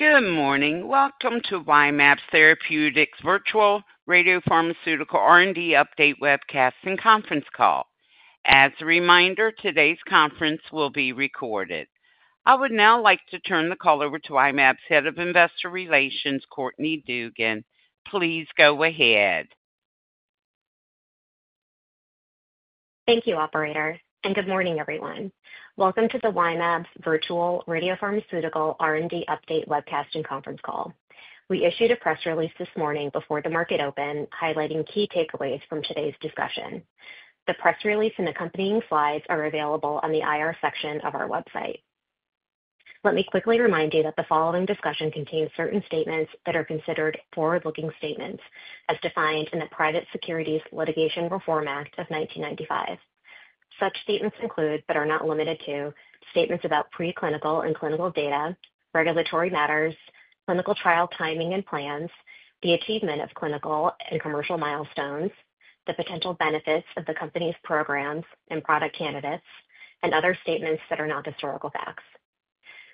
Good morning. Welcome to Y-mAbs Therapeutics' virtual radiopharmaceutical R&D update webcast and Conference Call. As a reminder, today's conference will be recorded. I would now like to turn the call over to Y-mAbs Head of Investor Relations, Courtney Dugan. Please go ahead. Thank you, Operator. Good morning, everyone. Welcome to the Y-mAbs virtual radiopharmaceutical R&D update webcast and Conference Call. We issued a press release this morning before the market open, highlighting key takeaways from today's discussion. The press release and accompanying slides are available on the IR section of our website. Let me quickly remind you that the following discussion contains certain statements that are considered forward-looking statements, as defined in the Private Securities Litigation Reform Act of 1995. Such statements include, but are not limited to, statements about preclinical and clinical data, regulatory matters, clinical trial timing and plans, the achievement of clinical and commercial milestones, the potential benefits of the company's programs and product candidates, and other statements that are not historical facts.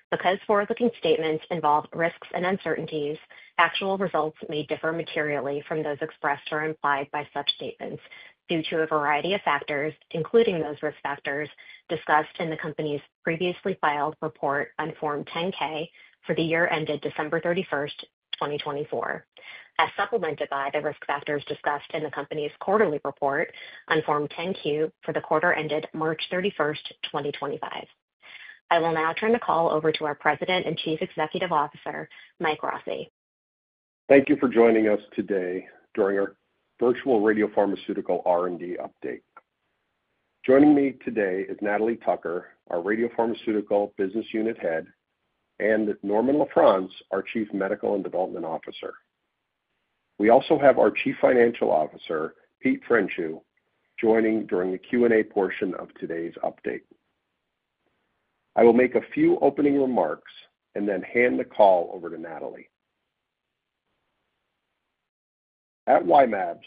Because forward-looking statements involve risks and uncertainties, actual results may differ materially from those expressed or implied by such statements due to a variety of factors, including those risk factors discussed in the company's previously filed report on Form 10-K for the year ended December 31, 2024, as supplemented by the risk factors discussed in the company's quarterly report on Form 10-Q for the quarter ended March 31, 2025. I will now turn the call over to our President and Chief Executive Officer, Mike Rossi. Thank you for joining us today during our virtual radiopharmaceutical R&D update. Joining me today is Natalie Tucker, our Radiopharmaceutical Business Unit Head, and Norman LaFrance, our Chief Medical and Development Officer. We also have our Chief Financial Officer, Pete Frenshu, joining during the Q&A portion of today's update. I will make a few opening remarks and then hand the call over to Natalie. At Y-mAbs,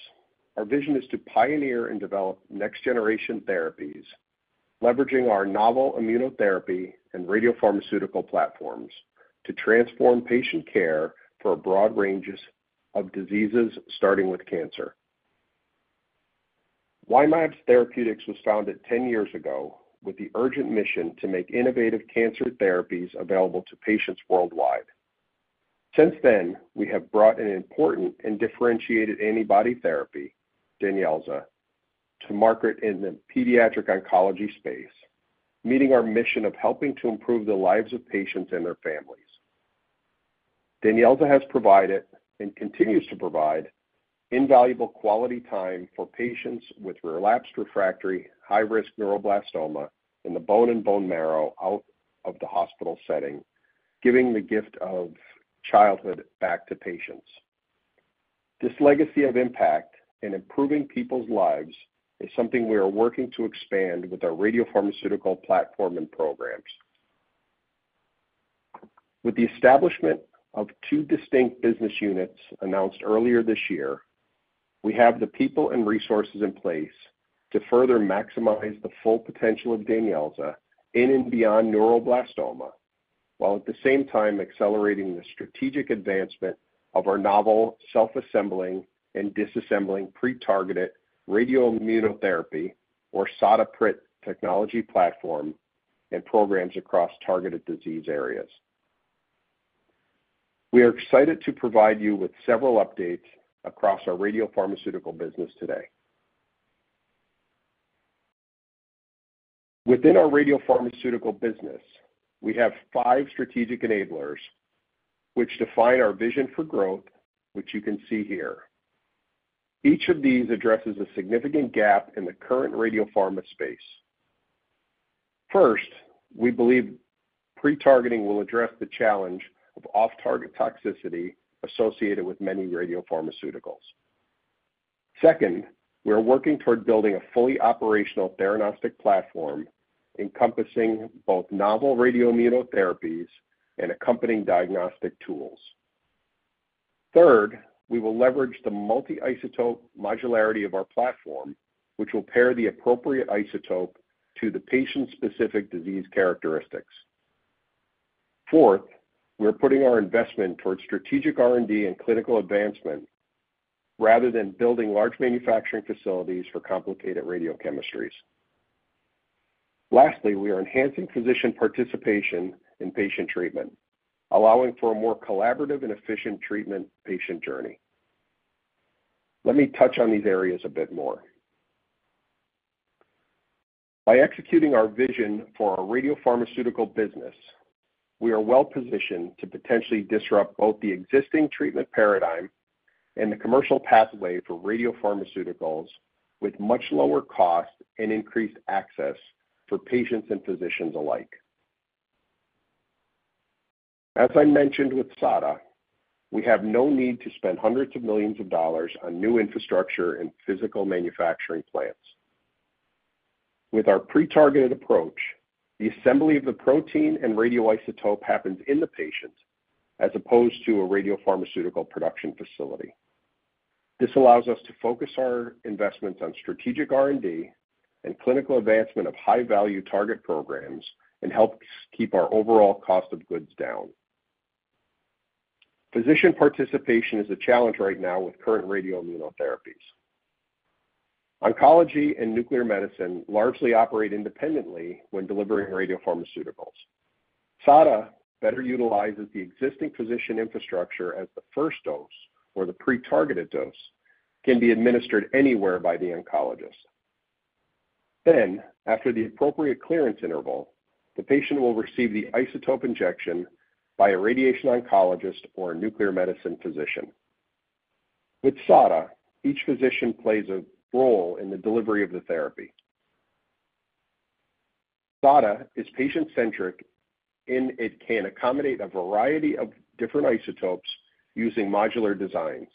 our vision is to pioneer and develop next-generation therapies, leveraging our novel immunotherapy and radiopharmaceutical platforms to transform patient care for a broad range of diseases, starting with cancer. Y-mAbs Therapeutics was founded 10 years ago with the urgent mission to make innovative cancer therapies available to patients worldwide. Since then, we have brought an important and differentiated antibody therapy, Danyelza, to market in the pediatric oncology space, meeting our mission of helping to improve the lives of patients and their families. Danyelza has provided and continues to provide invaluable quality time for patients with relapsed refractory high-risk neuroblastoma in the bone and bone marrow out of the hospital setting, giving the gift of childhood back to patients. This legacy of impact and improving people's lives is something we are working to expand with our radiopharmaceutical platform and programs. With the establishment of two distinct business units announced earlier this year, we have the people and resources in place to further maximize the full potential of Danyelza in and beyond neuroblastoma, while at the same time accelerating the strategic advancement of our novel self-assembling and disassembling pre-targeted radioimmunotherapy, or SOTTA-PRIT technology platform and programs across targeted disease areas. We are excited to provide you with several updates across our radiopharmaceutical business today. Within our radiopharmaceutical business, we have five strategic enablers, which define our vision for growth, which you can see here. Each of these addresses a significant gap in the current radiopharma space. First, we believe pre-targeting will address the challenge of off-target toxicity associated with many radiopharmaceuticals. Second, we are working toward building a fully operational theranostic platform encompassing both novel radioimmunotherapies and accompanying diagnostic tools. Third, we will leverage the multi-isotope modularity of our platform, which will pair the appropriate isotope to the patient-specific disease characteristics. Fourth, we're putting our investment toward strategic R&D and clinical advancement rather than building large manufacturing facilities for complicated radiochemistries. Lastly, we are enhancing physician participation in patient treatment, allowing for a more collaborative and efficient treatment patient journey. Let me touch on these areas a bit more. By executing our vision for our radiopharmaceutical business, we are well positioned to potentially disrupt both the existing treatment paradigm and the commercial pathway for radiopharmaceuticals with much lower cost and increased access for patients and physicians alike. As I mentioned with SOTTA, we have no need to spend hundreds of millions of dollars on new infrastructure and physical manufacturing plants. With our pre-targeted approach, the assembly of the protein and radioisotope happens in the patient as opposed to a radiopharmaceutical production facility. This allows us to focus our investments on strategic R&D and clinical advancement of high-value target programs and helps keep our overall cost of goods down. Physician participation is a challenge right now with current radioimmunotherapies. Oncology and nuclear medicine largely operate independently when delivering radiopharmaceuticals. SOTTA better utilizes the existing physician infrastructure as the first dose or the pre-targeted dose can be administered anywhere by the oncologist. After the appropriate clearance interval, the patient will receive the isotope injection by a radiation oncologist or a nuclear medicine physician. With SOTTA, each physician plays a role in the delivery of the therapy. SOTTA is patient-centric in it can accommodate a variety of different isotopes using modular designs.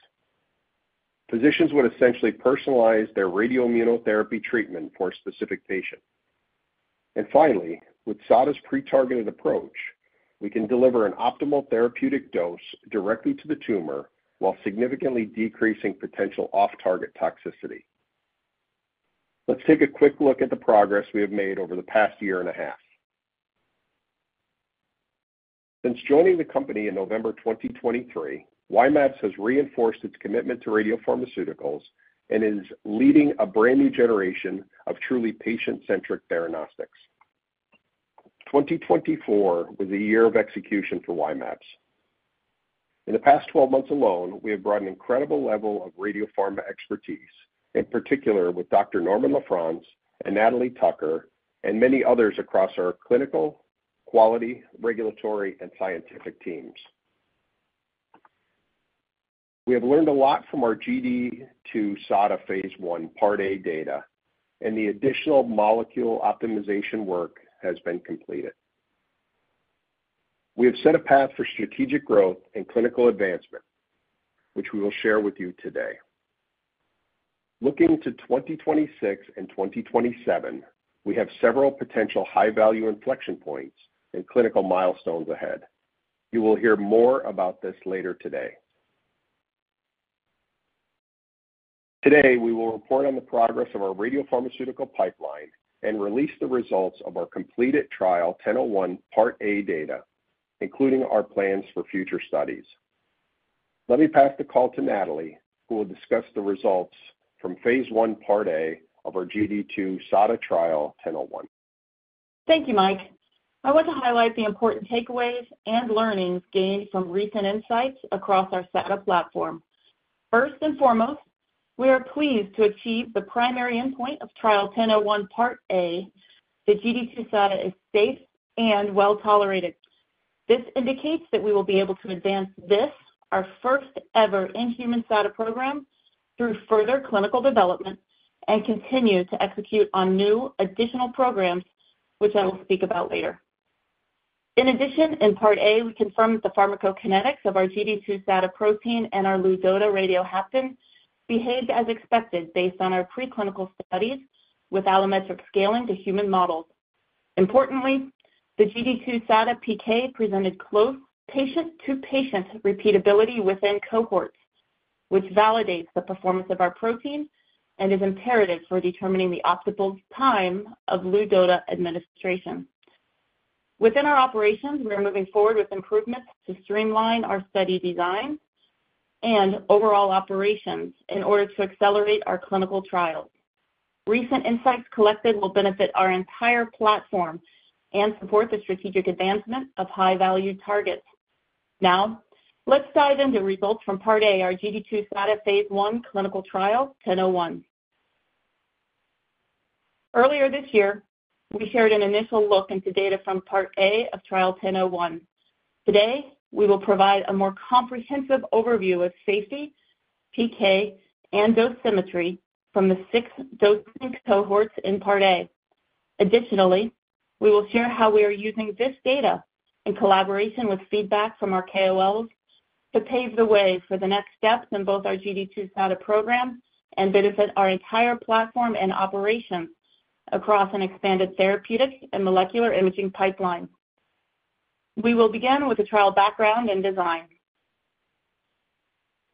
Physicians would essentially personalize their radioimmunotherapy treatment for a specific patient. Finally, with SOTTA's pre-targeted approach, we can deliver an optimal therapeutic dose directly to the tumor while significantly decreasing potential off-target toxicity. Let's take a quick look at the progress we have made over the past year and a half. Since joining the company in November 2023, Y-mAbs Therapeutics has reinforced its commitment to radiopharmaceuticals and is leading a brand new generation of truly patient-centric theranostics. 2024 was a year of execution for Y-mAbs Therapeutics. In the past 12 months alone, we have brought an incredible level of radiopharma expertise, in particular with Dr. Norman LaFrance and Natalie Tucker, and many others across our clinical, quality, regulatory, and scientific teams. We have learned a lot from our GD2 SOTTA phase I, part A data, and the additional molecule optimization work has been completed. We have set a path for strategic growth and clinical advancement, which we will share with you today. Looking to 2026 and 2027, we have several potential high-value inflection points and clinical milestones ahead. You will hear more about this later today. Today, we will report on the progress of our radiopharmaceutical pipeline and release the results of our completed trial 1001 part A data, including our plans for future studies. Let me pass the call to Natalie, who will discuss the results from phase I, part A of our GD2 SOTTA trial 1001. Thank you, Mike. I want to highlight the important takeaways and learnings gained from recent insights across our SOTTA platform. First and foremost, we are pleased to achieve the primary endpoint of trial 1001 Part A. The GD2 SOTTA is safe and well tolerated. This indicates that we will be able to advance this, our first ever in-human SOTTA program, through further clinical development and continue to execute on new additional programs, which I will speak about later. In addition, in Part A, we confirmed that the pharmacokinetics of our GD2 SOTTA protein and our Luzoda radiohaptin behaved as expected based on our preclinical studies with allometric scaling to human models. Importantly, the GD2 SOTTA PK presented close patient-to-patient repeatability within cohorts, which validates the performance of our protein and is imperative for determining the optimal time of Luzoda administration. Within our operations, we are moving forward with improvements to streamline our study design and overall operations in order to accelerate our clinical trials. Recent insights collected will benefit our entire platform and support the strategic advancement of high-value targets. Now, let's dive into results from Part A, our GD2 SOTTA phase I clinical trial 1001. Earlier this year, we shared an initial look into data from Part A of trial 1001. Today, we will provide a more comprehensive overview of safety, PK, and dosimetry from the six dosing cohorts in Part A. Additionally, we will share how we are using this data in collaboration with feedback from our KOLs to pave the way for the next steps in both our GD2 SOTTA program and benefit our entire platform and operations across an expanded therapeutic and molecular imaging pipeline. We will begin with the trial background and design.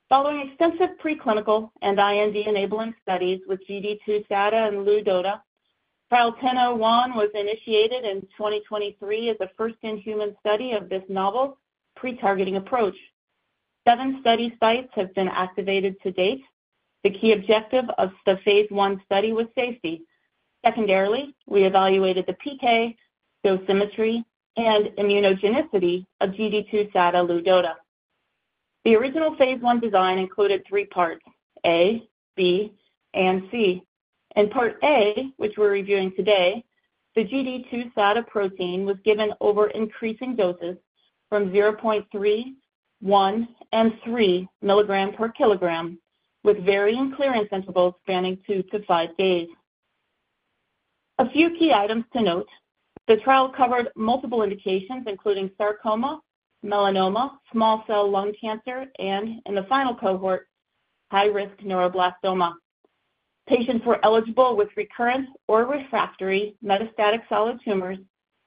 Following extensive preclinical and IND enabling studies with GD2 SOTTA and Luzoda, trial 1001 was initiated in 2023 as a first-in-human study of this novel pre-targeting approach. Seven study sites have been activated to date. The key objective of the phase I study was safety. Secondarily, we evaluated the PK, dose symmetry, and immunogenicity of GD2 SOTTA Luzoda. The original phase I design included three parts, A, B, and C. In Part A, which we're reviewing today, the GD2 SOTTA protein was given over increasing doses from 0.3, 1, and 3 milligrams per kilogram, with varying clearance intervals spanning two to five days. A few key items to note. The trial covered multiple indications, including sarcoma, melanoma, small cell lung cancer, and in the final cohort, high-risk neuroblastoma. Patients were eligible with recurrent or refractory metastatic solid tumors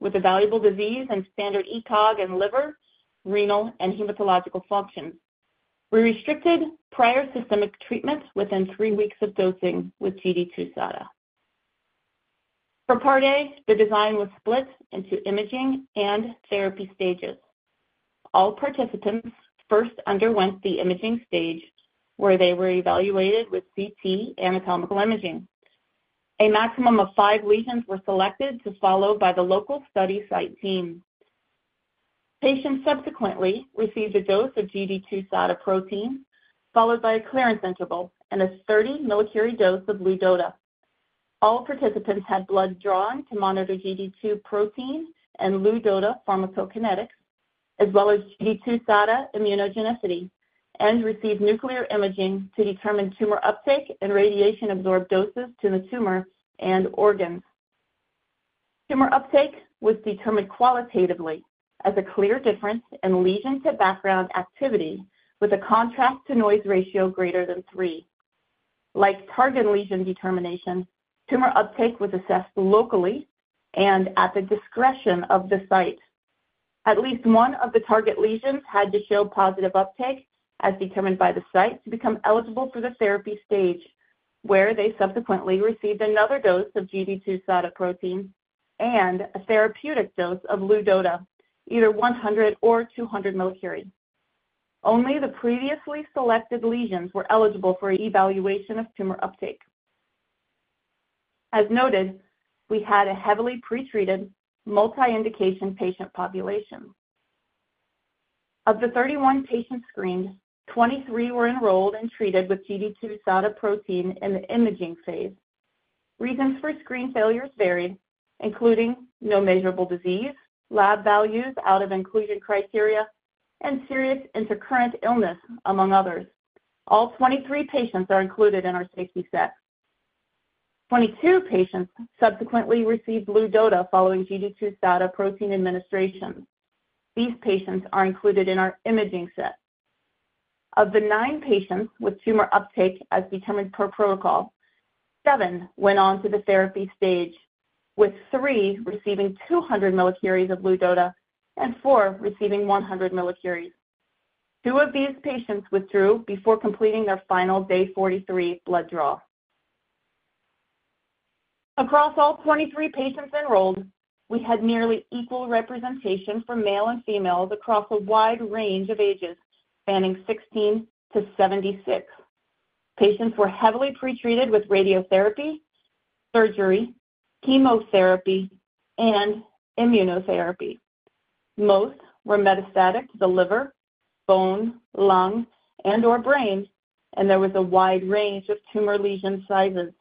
with evaluable disease and standard ECOG in liver, renal, and hematological functions. We restricted prior systemic treatment within three weeks of dosing with GD2 SOTTA. For Part A, the design was split into imaging and therapy stages. All participants first underwent the imaging stage where they were evaluated with CT anatomical imaging. A maximum of five lesions were selected to follow by the local study site team. Patients subsequently received a dose of GD2 SOTTA protein followed by a clearance interval and a 30-milligram dose of Luzoda. All participants had blood drawn to monitor GD2 protein and Luzoda pharmacokinetics, as well as GD2 SOTTA immunogenicity, and received nuclear imaging to determine tumor uptake and radiation-absorbed doses to the tumor and organs. Tumor uptake was determined qualitatively as a clear difference in lesion-to-background activity with a contrast-to-noise ratio greater than three. Like target lesion determination, tumor uptake was assessed locally and at the discretion of the site. At least one of the target lesions had to show positive uptake, as determined by the site, to become eligible for the therapy stage, where they subsequently received another dose of GD2 SOTTA protein and a therapeutic dose of Luzoda, either 100 or 200 millicurie. Only the previously selected lesions were eligible for evaluation of tumor uptake. As noted, we had a heavily pretreated multi-indication patient population. Of the 31 patients screened, 23 were enrolled and treated with GD2 SOTTA protein in the imaging phase. Reasons for screen failures varied, including no measurable disease, lab values out of inclusion criteria, and serious intercurrent illness, among others. All 23 patients are included in our safety set. Twenty-two patients subsequently received Luzoda following GD2 SOTTA protein administration. These patients are included in our imaging set. Of the nine patients with tumor uptake, as determined per protocol, seven went on to the therapy stage, with three receiving 200 millicuries of Luzoda and four receiving 100 millicuries. Two of these patients withdrew before completing their final day 43 blood draw. Across all 23 patients enrolled, we had nearly equal representation for male and females across a wide range of ages spanning 16-76. Patients were heavily pretreated with radiotherapy, surgery, chemotherapy, and immunotherapy. Most were metastatic to the liver, bone, lung, and/or brain, and there was a wide range of tumor lesion sizes.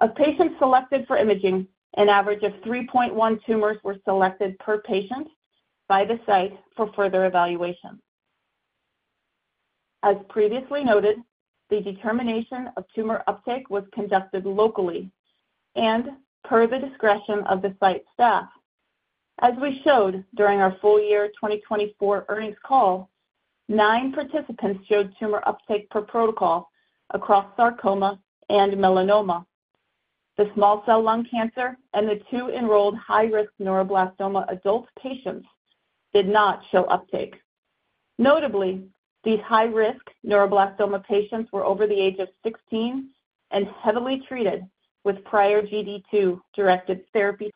Of patients selected for imaging, an average of 3.1 tumors were selected per patient by the site for further evaluation. As previously noted, the determination of tumor uptake was conducted locally and per the discretion of the site staff. As we showed during our full year 2024 earnings call, nine participants showed tumor uptake per protocol across sarcoma and melanoma. The small cell lung cancer and the two enrolled high-risk neuroblastoma adult patients did not show uptake. Notably, these high-risk neuroblastoma patients were over the age of 16 and heavily treated with prior GD2-directed therapy.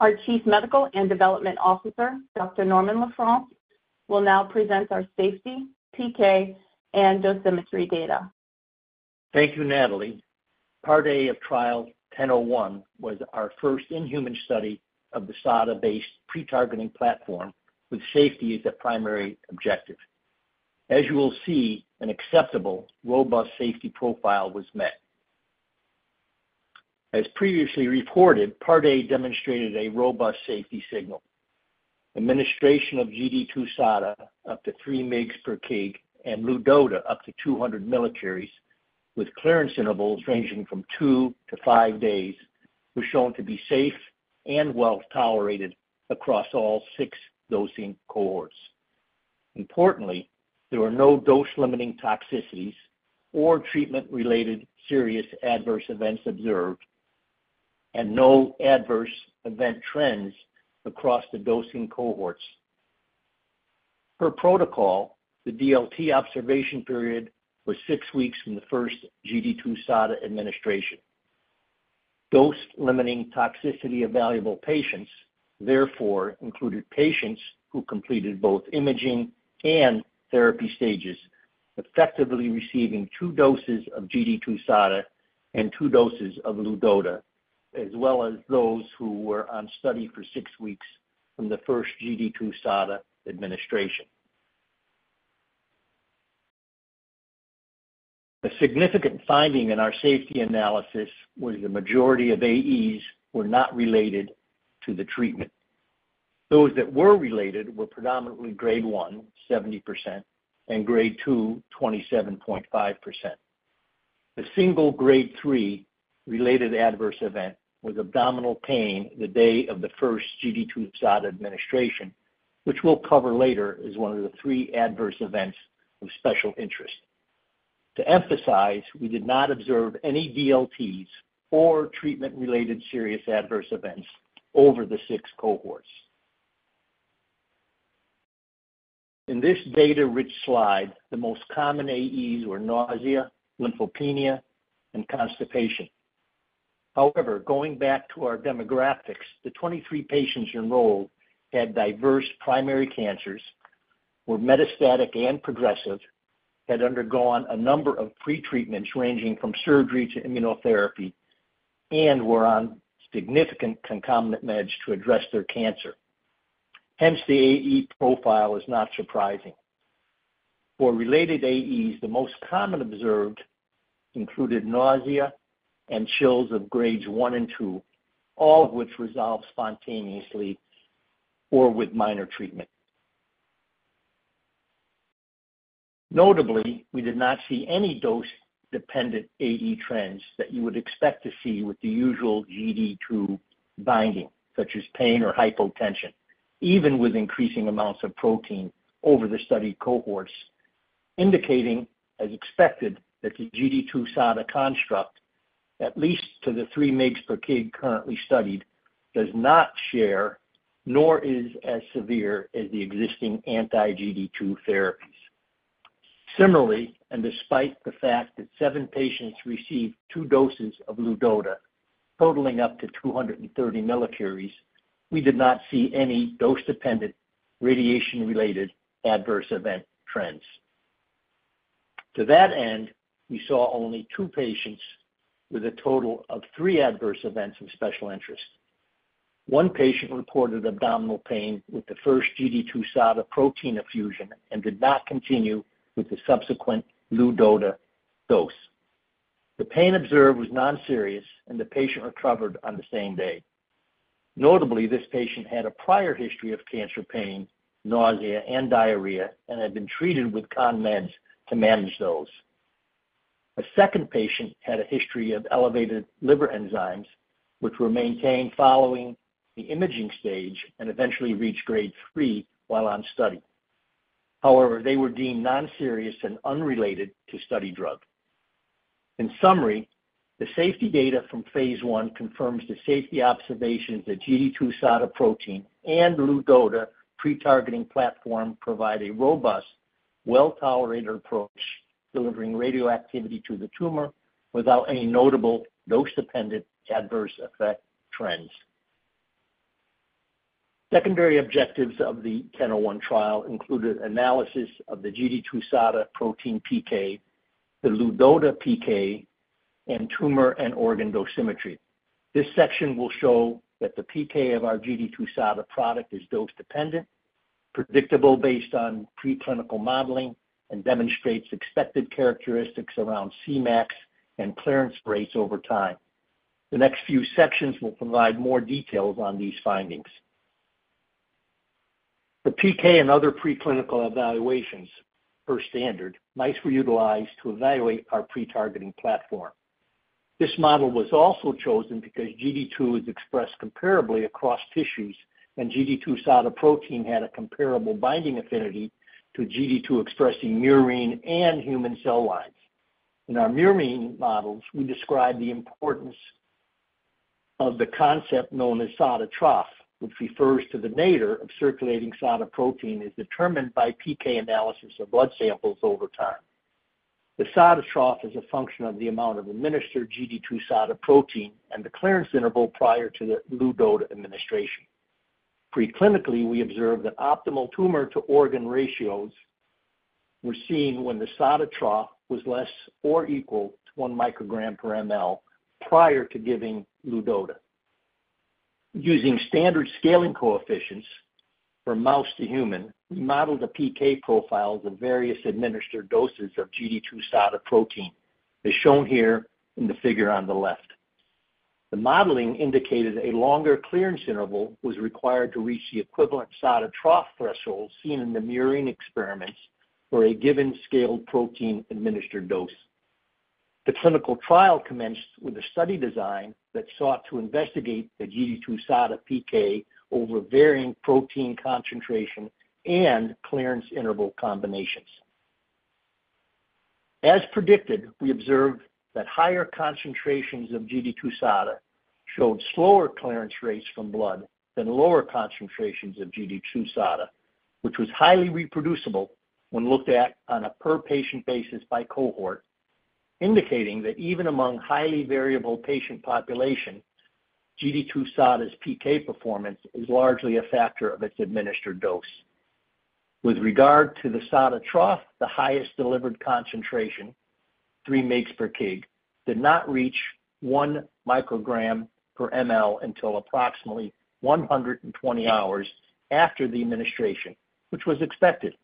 Our Chief Medical and Development Officer, Dr. Norman LaFrance, will now present our safety, PK, and dosimetry data. Thank you, Natalie. Part A of trial 1001 was our first in-human study of the SOTTA-based pre-targeting platform with safety as the primary objective. As you will see, an acceptable robust safety profile was met. As previously reported, Part A demonstrated a robust safety signal. Administration of GD2 SOTTA up to 3 mg per kg and Luzoda up to 200 millicuries with clearance intervals ranging from two to five days was shown to be safe and well tolerated across all six dosing cohorts. Importantly, there were no dose-limiting toxicities or treatment-related serious adverse events observed and no adverse event trends across the dosing cohorts. Per protocol, the DLT observation period was six weeks from the first GD2 SOTTA administration. Dose-limiting toxicity evaluable patients, therefore, included patients who completed both imaging and therapy stages, effectively receiving two doses of GD2 SOTTA and two doses of Luzoda, as well as those who were on study for six weeks from the first GD2 SOTTA administration. A significant finding in our safety analysis was the majority of AEs were not related to the treatment. Those that were related were predominantly grade 1, 70%, and grade 2, 27.5%. The single Grade 3 related adverse event was abdominal pain the day of the first GD2 SOTTA administration, which we'll cover later as one of the three adverse events of special interest. To emphasize, we did not observe any DLTs or treatment-related serious adverse events over the six cohorts. In this data-rich slide, the most common AEs were nausea, lymphopenia, and constipation. However, going back to our demographics, the 23 patients enrolled had diverse primary cancers, were metastatic and progressive, had undergone a number of pretreatments ranging from surgery to immunotherapy, and were on significant concomitant meds to address their cancer. Hence, the AE profile is not surprising. For related AEs, the most common observed included nausea and chills of grades 1 and 2, all of which resolved spontaneously or with minor treatment. Notably, we did not see any dose-dependent AE trends that you would expect to see with the usual GD2 binding, such as pain or hypotension, even with increasing amounts of protein over the study cohorts, indicating, as expected, that the GD2 SOTTA construct, at least to the 3 mg per kg currently studied, does not share nor is as severe as the existing anti-GD2 therapies. Similarly, and despite the fact that seven patients received two doses of Luzoda, totaling up to 230 millicurries, we did not see any dose-dependent radiation-related adverse event trends. To that end, we saw only two patients with a total of three adverse events of special interest. One patient reported abdominal pain with the first GD2 SOTTA protein effusion and did not continue with the subsequent Luzoda dose. The pain observed was non-serious, and the patient recovered on the same day. Notably, this patient had a prior history of cancer pain, nausea, and diarrhea, and had been treated with con meds to manage those. A second patient had a history of elevated liver enzymes, which were maintained following the imaging stage and eventually reached Grade 3 while on study. However, they were deemed non-serious and unrelated to study drug. In summary, the safety data from phase I confirms the safety observations that GD2 SOTTA protein and Luzoda pre-targeting platform provide a robust, well-tolerated approach delivering radioactivity to the tumor without any notable dose-dependent adverse effect trends. Secondary objectives of the 1001 trial included analysis of the GD2 SOTTA protein PK, the Luzoda PK, and tumor and organ dosimetry. This section will show that the PK of our GD2 SOTTA product is dose-dependent, predictable based on preclinical modeling, and demonstrates expected characteristics around CMACs and clearance rates over time. The next few sections will provide more details on these findings. The PK and other preclinical evaluations per standard might be utilized to evaluate our pre-targeting platform. This model was also chosen because GD2 is expressed comparably across tissues, and GD2 SOTTA protein had a comparable binding affinity to GD2 expressing murine and human cell lines. In our murine models, we describe the importance of the concept known as SOTTA trough, which refers to the nadir of circulating SOTTA protein as determined by PK analysis of blood samples over time. The SOTTA trough is a function of the amount of administered GD2 SOTTA protein and the clearance interval prior to the Luzoda administration. Preclinically, we observed that optimal tumor-to-organ ratios were seen when the SOTTA trough was less or equal to 1 microgram per mL prior to giving Luzoda. Using standard scaling coefficients from mouse to human, we modeled the PK profiles of various administered doses of GD2 SOTTA protein, as shown here in the figure on the left. The modeling indicated a longer clearance interval was required to reach the equivalent SOTTA trough threshold seen in the murine experiments for a given scaled protein administered dose. The clinical trial commenced with a study design that sought to investigate the GD2 SOTTA PK over varying protein concentration and clearance interval combinations. As predicted, we observed that higher concentrations of GD2 SOTTA showed slower clearance rates from blood than lower concentrations of GD2 SOTTA, which was highly reproducible when looked at on a per-patient basis by cohort, indicating that even among highly variable patient population, GD2 SOTTA's PK performance is largely a factor of its administered dose. With regard to the SOTTA trough, the highest delivered concentration, 3 mg per kg, did not reach 1 microgram per mL until approximately 120 hours after the administration, which was expected.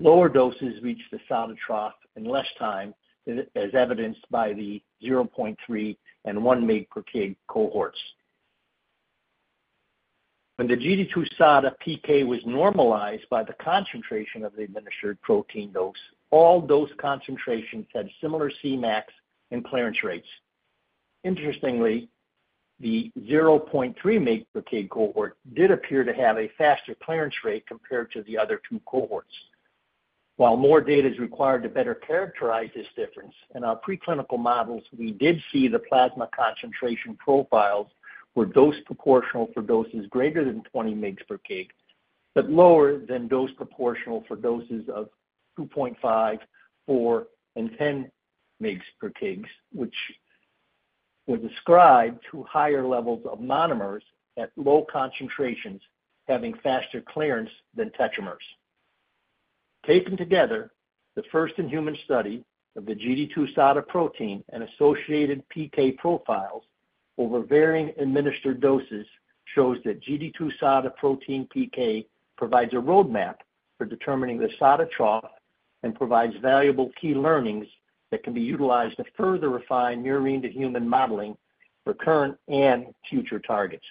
Lower doses reached the SOTTA trough in less time as evidenced by the 0.3 and 1 mg per kg cohorts. When the GD2 SOTTA PK was normalized by the concentration of the administered protein dose, all dose concentrations had similar CMACs and clearance rates. Interestingly, the 0.3 mg/kg cohort did appear to have a faster clearance rate compared to the other two cohorts. While more data is required to better characterize this difference in our preclinical models, we did see the plasma concentration profiles were dose proportional for doses greater than 20 mg/kg, but lower than dose proportional for doses of 2.5, 4, and 10 mg/kg, which were described to higher levels of monomers at low concentrations having faster clearance than tetramers. Taken together, the first in-human study of the GD2 SOTTA protein and associated PK profiles over varying administered doses shows that GD2 SOTTA protein PK provides a roadmap for determining the SOTTA trough and provides valuable key learnings that can be utilized to further refine murine-to-human modeling for current and future targets.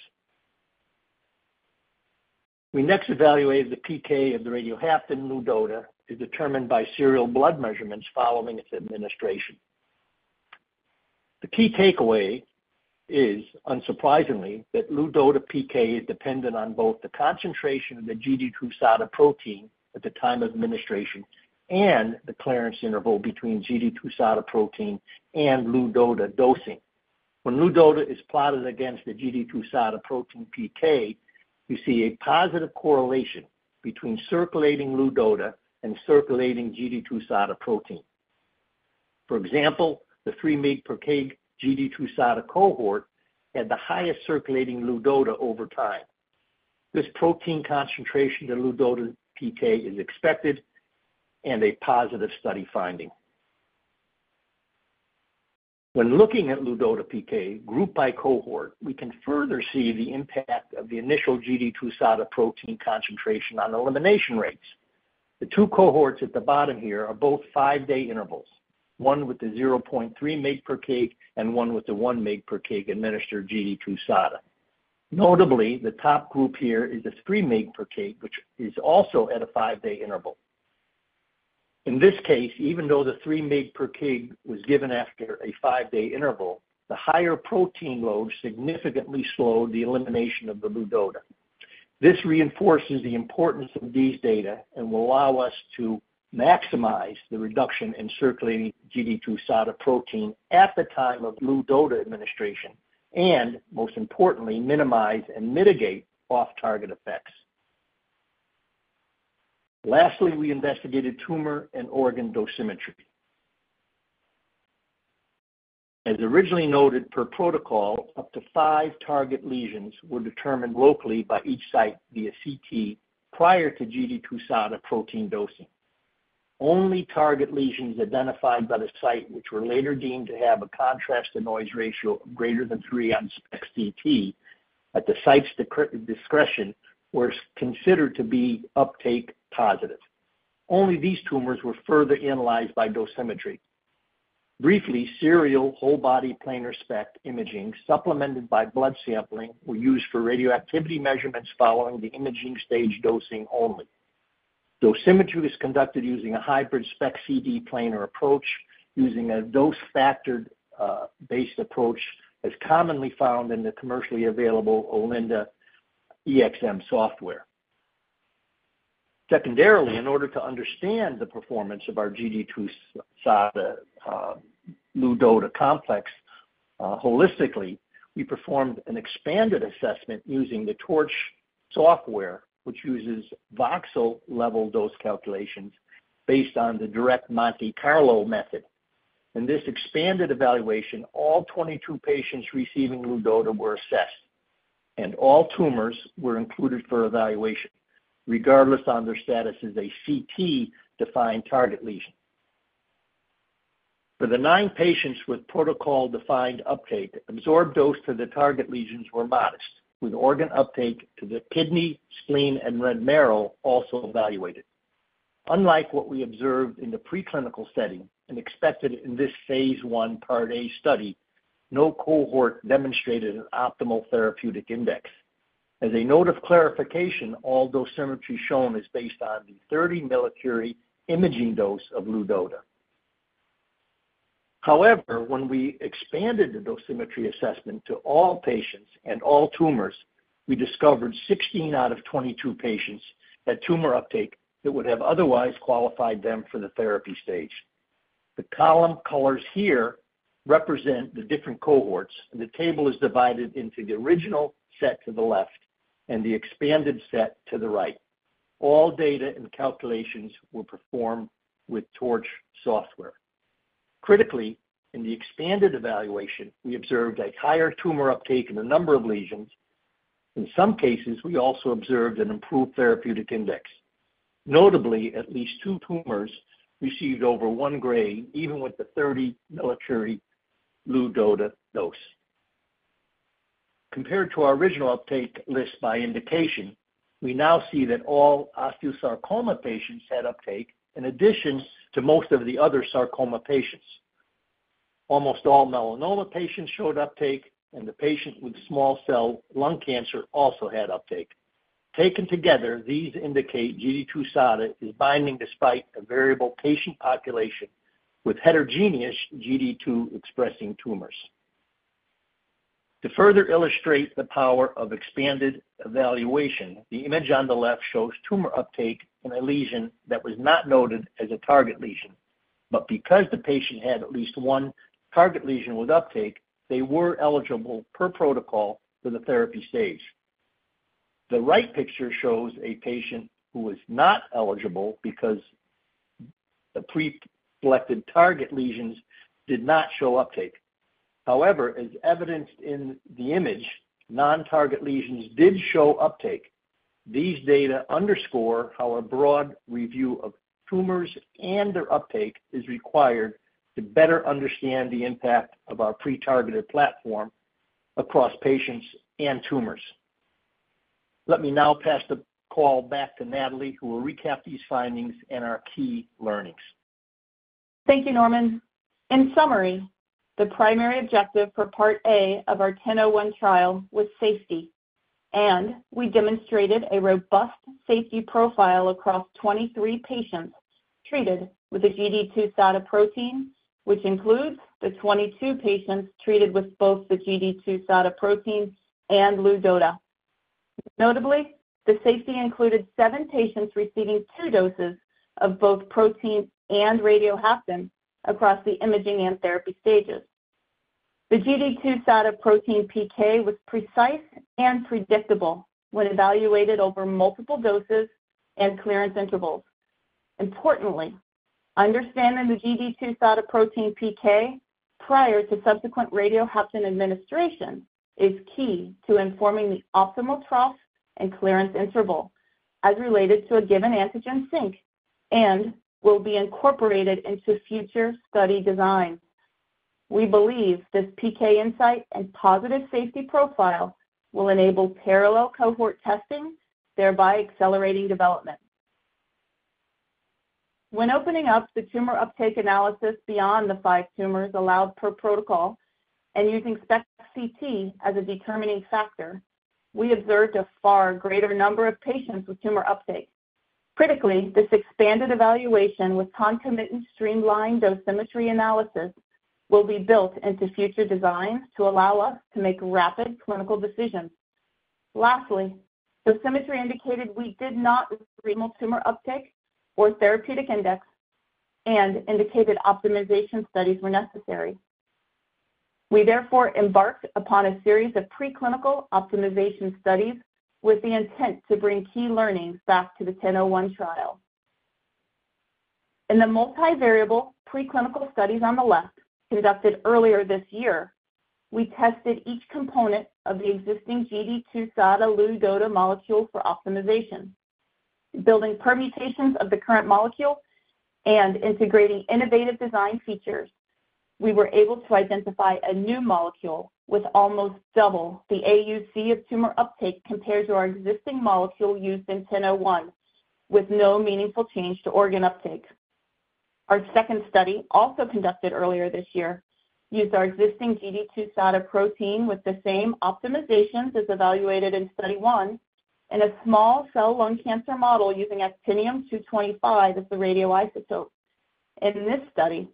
We next evaluated the PK of the radiolabeled half-ton Luzoda to determine by serial blood measurements following its administration. The key takeaway is, unsurprisingly, that Luzoda PK is dependent on both the concentration of the GD2 SOTTA protein at the time of administration and the clearance interval between GD2 SOTTA protein and Luzoda dosing. When Luzoda is plotted against the GD2 SOTTA protein PK, we see a positive correlation between circulating Luzoda and circulating GD2 SOTTA protein. For example, the 3 mg per kg GD2 SOTTA cohort had the highest circulating Luzoda over time. This protein concentration to Luzoda PK is expected and a positive study finding. When looking at Luzoda PK group by cohort, we can further see the impact of the initial GD2 SOTTA protein concentration on elimination rates. The two cohorts at the bottom here are both five-day intervals, one with the 0.3 mg per kg and one with the 1 mg per kg administered GD2 SOTTA. Notably, the top group here is a 3 mg per kg, which is also at a five-day interval. In this case, even though the 3 mg per kg was given after a five-day interval, the higher protein load significantly slowed the elimination of the Luzoda. This reinforces the importance of these data and will allow us to maximize the reduction in circulating GD2 SOTTA protein at the time of Luzoda administration and, most importantly, minimize and mitigate off-target effects. Lastly, we investigated tumor and organ dosimetry. As originally noted, per protocol, up to five target lesions were determined locally by each site via CT prior to GD2 SOTTA protein dosing. Only target lesions identified by the site, which were later deemed to have a contrast-to-noise ratio greater than three on SPECT/CT at the site's discretion, were considered to be uptake positive. Only these tumors were further analyzed by dosimetry. Briefly, serial whole-body planar SPECT imaging supplemented by blood sampling were used for radioactivity measurements following the imaging stage dosing only. Dosimetry was conducted using a hybrid SPECT/CT planar approach using a dose factor-based approach as commonly found in the commercially available OLINDA/EXM software. Secondarily, in order to understand the performance of our GD2 SOTTA Luzoda complex holistically, we performed an expanded assessment using the TORCH software, which uses voxel-level dose calculations based on the direct Monte Carlo method. In this expanded evaluation, all 22 patients receiving Luzoda were assessed, and all tumors were included for evaluation regardless of their status as a CT-defined target lesion. For the nine patients with protocol-defined uptake, absorbed dose to the target lesions were modest, with organ uptake to the kidney, spleen, and red marrow also evaluated. Unlike what we observed in the preclinical setting and expected in this phase I part A study, no cohort demonstrated an optimal therapeutic index. As a note of clarification, all dosimetry shown is based on the 30 millicuri imaging dose of Luzoda. However, when we expanded the dosimetry assessment to all patients and all tumors, we discovered 16 out of 22 patients had tumor uptake that would have otherwise qualified them for the therapy stage. The column colors here represent the different cohorts, and the table is divided into the original set to the left and the expanded set to the right. All data and calculations were performed with TORCH software. Critically, in the expanded evaluation, we observed a higher tumor uptake in a number of lesions. In some cases, we also observed an improved therapeutic index. Notably, at least two tumors received over one grade, even with the 30 millicurie Luzoda dose. Compared to our original uptake list by indication, we now see that all osteosarcoma patients had uptake in addition to most of the other sarcoma patients. Almost all melanoma patients showed uptake, and the patient with small cell lung cancer also had uptake. Taken together, these indicate GD2 SOTTA is binding despite a variable patient population with heterogeneous GD2-expressing tumors. To further illustrate the power of expanded evaluation, the image on the left shows tumor uptake in a lesion that was not noted as a target lesion. Because the patient had at least one target lesion with uptake, they were eligible per protocol for the therapy stage. The right picture shows a patient who was not eligible because the pre-selected target lesions did not show uptake. However, as evidenced in the image, non-target lesions did show uptake. These data underscore how a broad review of tumors and their uptake is required to better understand the impact of our pre-targeted platform across patients and tumors. Let me now pass the call back to Natalie, who will recap these findings and our key learnings. Thank you, Norman. In summary, the primary objective for part A of our 1001 trial was safety, and we demonstrated a robust safety profile across 23 patients treated with the GD2 SOTTA protein, which includes the 22 patients treated with both the GD2 SOTTA protein and Luzoda. Notably, the safety included seven patients receiving two doses of both protein and radiochelator across the imaging and therapy stages. The GD2 SOTTA protein PK was precise and predictable when evaluated over multiple doses and clearance intervals. Importantly, understanding the GD2 SOTTA protein PK prior to subsequent radiochelator administration is key to informing the optimal trough and clearance interval as related to a given antigen sync and will be incorporated into future study designs. We believe this PK insight and positive safety profile will enable parallel cohort testing, thereby accelerating development. When opening up the tumor uptake analysis beyond the five tumors allowed per protocol and using SPECT/CT as a determining factor, we observed a far greater number of patients with tumor uptake. Critically, this expanded evaluation with concomitant streamlined dosimetry analysis will be built into future designs to allow us to make rapid clinical decisions. Lastly, dosimetry indicated we did not receive tumor uptake or therapeutic index and indicated optimization studies were necessary. We therefore embarked upon a series of preclinical optimization studies with the intent to bring key learnings back to the 1001 trial. In the multivariable preclinical studies on the left conducted earlier this year, we tested each component of the existing GD2 SOTTA Luzoda molecule for optimization. Building permutations of the current molecule and integrating innovative design features, we were able to identify a new molecule with almost double the AUC of tumor uptake compared to our existing molecule used in 1001, with no meaningful change to organ uptake. Our second study, also conducted earlier this year, used our existing GD2 SOTTA protein with the same optimizations as evaluated in study one and a small cell lung cancer model using actinium-225 as the radioisotope. In this study,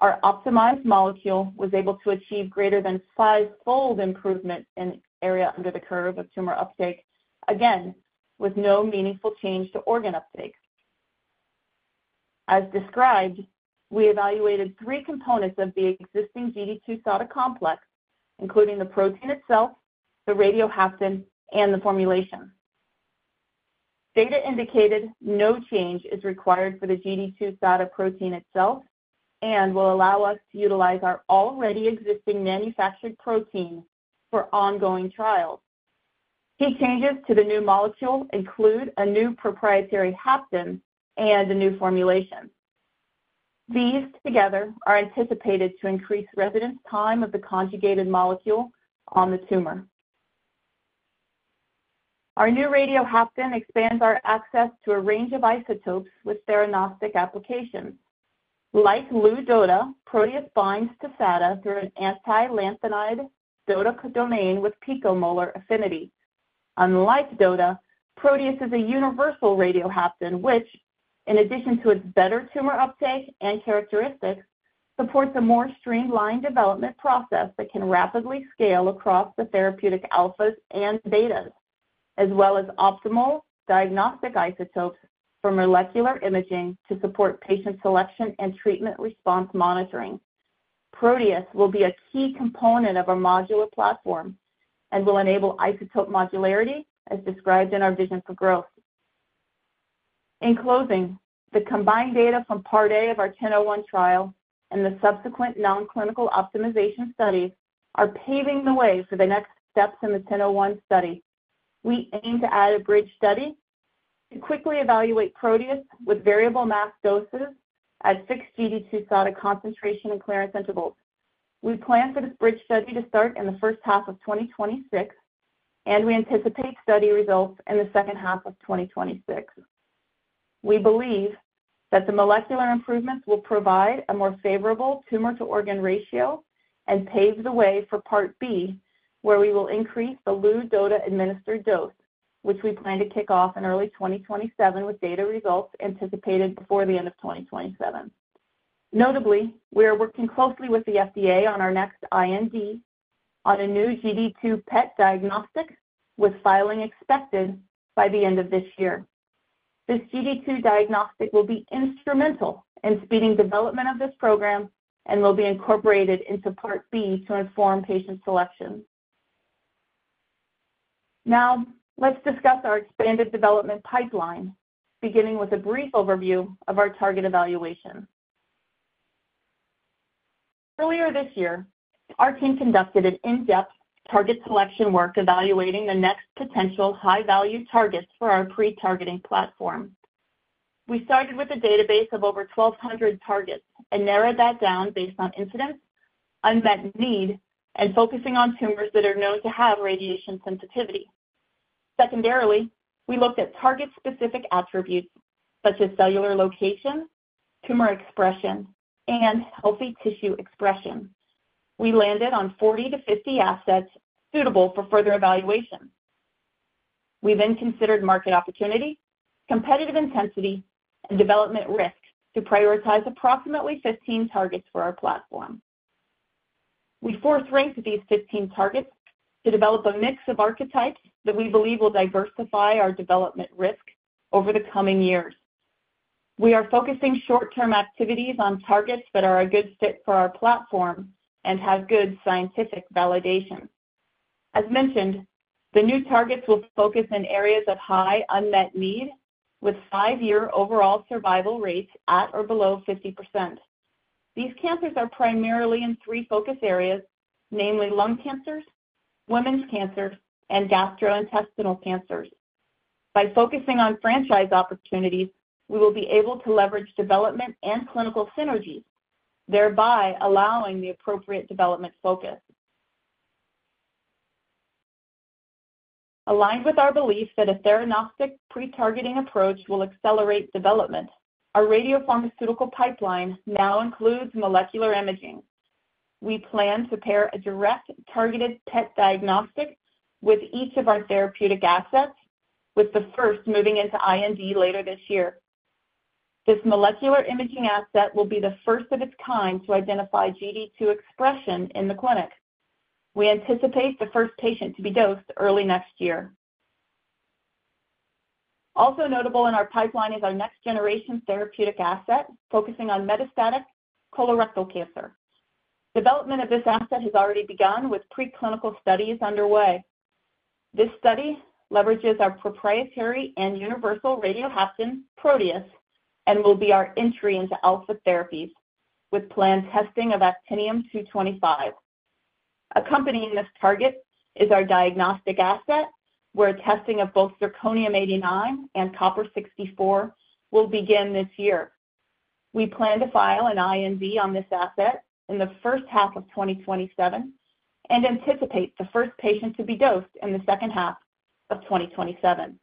our optimized molecule was able to achieve greater than fivefold improvement in area under the curve of tumor uptake, again with no meaningful change to organ uptake. As described, we evaluated three components of the existing GD2 SOTTA complex, including the protein itself, the radio halftone, and the formulation. Data indicated no change is required for the GD2 SOTTA protein itself and will allow us to utilize our already existing manufactured protein for ongoing trials. Key changes to the new molecule include a new proprietary half-life and a new formulation. These together are anticipated to increase residence time of the conjugated molecule on the tumor. Our new radiochelator expands our access to a range of isotopes with theranostic applications. Like Luzoda, Proteus binds to SOTTA through an anti-lanthanide dodecadamine with picomolar affinity. Unlike DOTA, Proteus is a universal radiochelator, which, in addition to its better tumor uptake and characteristics, supports a more streamlined development process that can rapidly scale across the therapeutic alphas and betas, as well as optimal diagnostic isotopes for molecular imaging to support patient selection and treatment response monitoring. Proteus will be a key component of our modular platform and will enable isotope modularity as described in our vision for growth. In closing, the combined data from part A of our 1001 trial and the subsequent non-clinical optimization studies are paving the way for the next steps in the 1001 study. We aim to add a bridge study to quickly evaluate Proteus with variable mass doses at six GD2 SOTTA concentration and clearance intervals. We plan for this bridge study to start in the first half of 2026, and we anticipate study results in the second half of 2026. We believe that the molecular improvements will provide a more favorable tumor-to-organ ratio and pave the way for part B, where we will increase the Luzoda administered dose, which we plan to kick off in early 2027 with data results anticipated before the end of 2027. Notably, we are working closely with the FDA on our next IND on a new GD2 PET diagnostic, with filing expected by the end of this year. This GD2 diagnostic will be instrumental in speeding development of this program and will be incorporated into part B to inform patient selection. Now, let's discuss our expanded development pipeline, beginning with a brief overview of our target evaluation. Earlier this year, our team conducted an in-depth target selection work evaluating the next potential high-value targets for our pre-targeting platform. We started with a database of over 1,200 targets and narrowed that down based on incidence, unmet need, and focusing on tumors that are known to have radiation sensitivity. Secondarily, we looked at target-specific attributes such as cellular location, tumor expression, and healthy tissue expression. We landed on 40-50 assets suitable for further evaluation. We then considered market opportunity, competitive intensity, and development risk to prioritize approximately 15 targets for our platform. We force-ranked these 15 targets to develop a mix of archetypes that we believe will diversify our development risk over the coming years. We are focusing short-term activities on targets that are a good fit for our platform and have good scientific validation. As mentioned, the new targets will focus in areas of high unmet need with five-year overall survival rates at or below 50%. These cancers are primarily in three focus areas, namely lung cancers, women's cancers, and gastrointestinal cancers. By focusing on franchise opportunities, we will be able to leverage development and clinical synergies, thereby allowing the appropriate development focus. Aligned with our belief that a theranostic pre-targeting approach will accelerate development, our radiopharmaceutical pipeline now includes molecular imaging. We plan to pair a direct targeted PET diagnostic with each of our therapeutic assets, with the first moving into IND later this year. This molecular imaging asset will be the first of its kind to identify GD2 expression in the clinic. We anticipate the first patient to be dosed early next year. Also notable in our pipeline is our next-generation therapeutic asset focusing on metastatic colorectal cancer. Development of this asset has already begun, with preclinical studies underway. This study leverages our proprietary and universal radiochelator, Proteus, and will be our entry into alpha therapies, with planned testing of actinium-225. Accompanying this target is our diagnostic asset, where testing of both Zirconium-89 and Copper-64 will begin this year. We plan to file an IND on this asset in the first half of 2027 and anticipate the first patient to be dosed in the second half of 2027.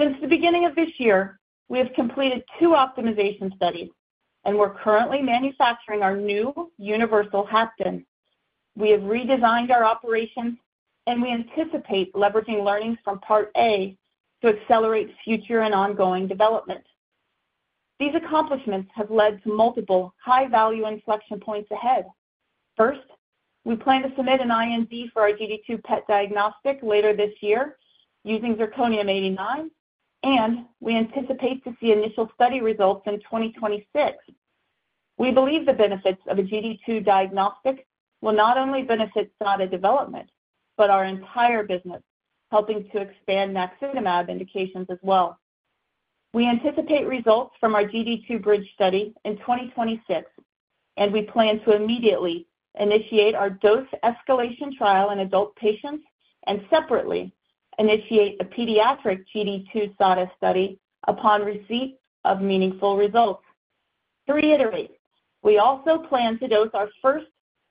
Since the beginning of this year, we have completed two optimization studies, and we're currently manufacturing our new universal Proteus. We have redesigned our operations, and we anticipate leveraging learnings from part A to accelerate future and ongoing development. These accomplishments have led to multiple high-value inflection points ahead. First, we plan to submit an IND for our GD2 PET diagnostic later this year using Zirconium-89, and we anticipate to see initial study results in 2026. We believe the benefits of a GD2 diagnostic will not only benefit SOTTA development, but our entire business, helping to expand naxitamab indications as well. We anticipate results from our GD2 bridge study in 2026, and we plan to immediately initiate our dose escalation trial in adult patients and separately initiate a pediatric GD2 SOTTA study upon receipt of meaningful results. To reiterate, we also plan to dose our first